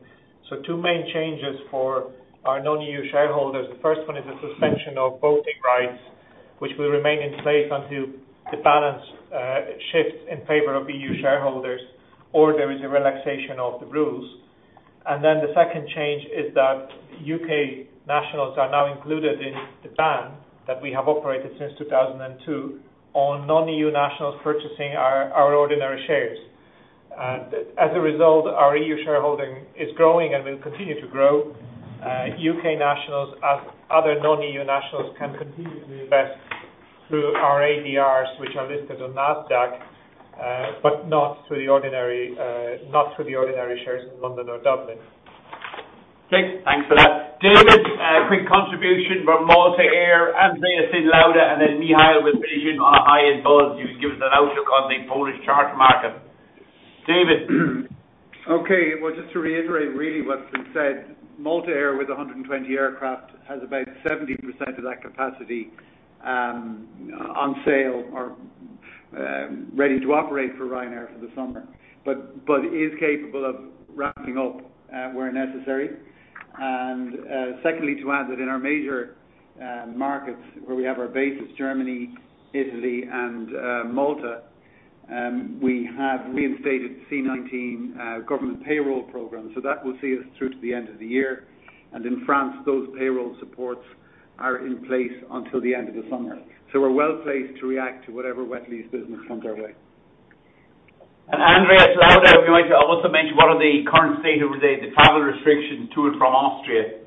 Two main changes for our non-EU shareholders. The first one is the suspension of voting rights, which will remain in place until the balance shifts in favor of EU shareholders or there is a relaxation of the rules. The second change is that U.K. nationals are now included in the ban that we have operated since 2002 on non-EU nationals purchasing our ordinary shares. As a result, our EU shareholding is growing and will continue to grow. U.K. nationals, as other non-EU nationals, can continue to invest through our ADRs, which are listed on Nasdaq, but not through the ordinary shares in London or Dublin. Great. Thanks for that. David, a quick contribution from Malta Air, Andreas from Lauda, and then Michal will finish on how in Buzz you can give us an outlook on the Polish charter market. David. Okay. Well, just to reiterate really what's been said, Malta Air with 120 aircraft has about 70% of that capacity on sale or ready to operate for Ryanair for the summer, but is capable of ramping up where necessary. Secondly, to add that in our major markets where we have our bases, Germany, Italy, and Malta, we have reinstated C-19 government payroll programs. That will see us through to the end of the year. In France, those payroll supports are in place until the end of the summer. We're well-placed to react to whatever wet lease business comes our way. Andreas, Lauda, if you might also mention what are the current state of the travel restrictions to and from Austria?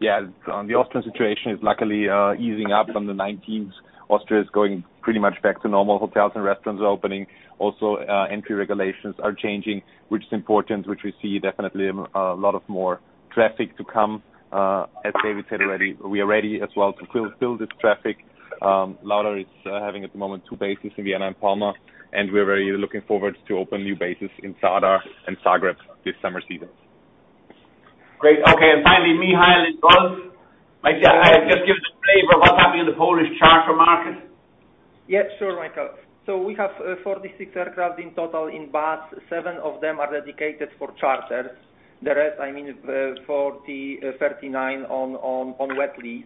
Yeah. The Austrian situation is luckily easing up on the 19th. Austria is going pretty much back to normal. Hotels and restaurants are opening. Entry regulations are changing, which is important, which we see definitely a lot more traffic to come. As David said already, we are ready as well to fill this traffic. Lauda is having at the moment two bases in Vienna and Palma, and we're really looking forward to open new bases in Zadar and Zagreb this summer season. Great. Okay. Finally, Michal in Buzz. Just give us an update of what's happening in the Polish charter market. Yeah, sure, Michael. We have 46 aircraft in total in Buzz. Seven of them are dedicated for charters. The rest, I mean, 39 on wet lease.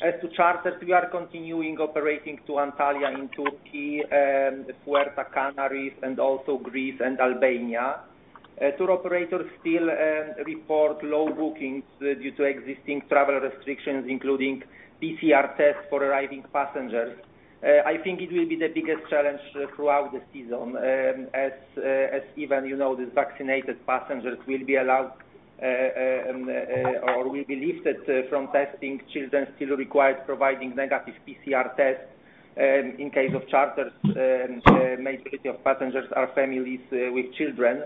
As to charters, we are continuing operating to Antalya in Turkey, the Fuerte, Canaries, and also Greece and Albania. Tour operators still report low bookings due to existing travel restrictions, including PCR tests for arriving passengers. I think it will be the biggest challenge throughout the season as even these vaccinated passengers will be allowed or will be lifted from testing. Children still require providing negative PCR tests in case of charters. Majority of passengers are families with children.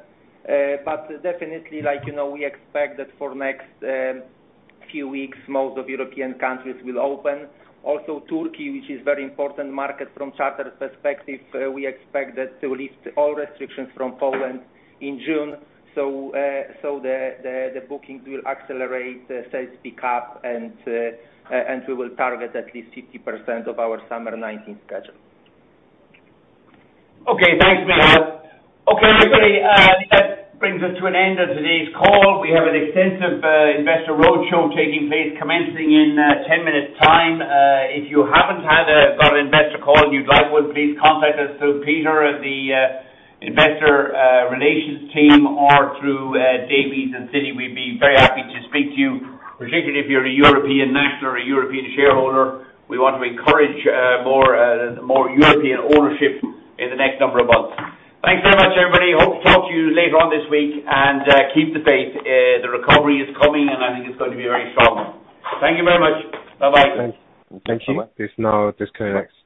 Definitely, we expect that for next few weeks, most of European countries will open. Also Turkey, which is a very important market from charter perspective, we expect that to lift all restrictions from Poland in June. The bookings will accelerate, sales pick up, and we will target at least 50% of our summer 2019 schedule. Okay. Thanks, Michal. Okay, everybody, that brings us to an end of today's call. We have an extensive investor road show taking place commencing in 10 minutes' time. If you haven't had an investor call and you'd like one, please contact us through Peter, the investor relations team, or through Davy and Citi. We'd be very happy to speak to you, particularly if you're a European national or a European shareholder. We want to encourage more European ownership in the next number of months. Thanks very much, everybody. Hope to talk to you later on this week, and keep the faith. The recovery is coming, and I think it's going to be very strong. Thank you very much. Bye-bye. Thank you. Let's now disconnect.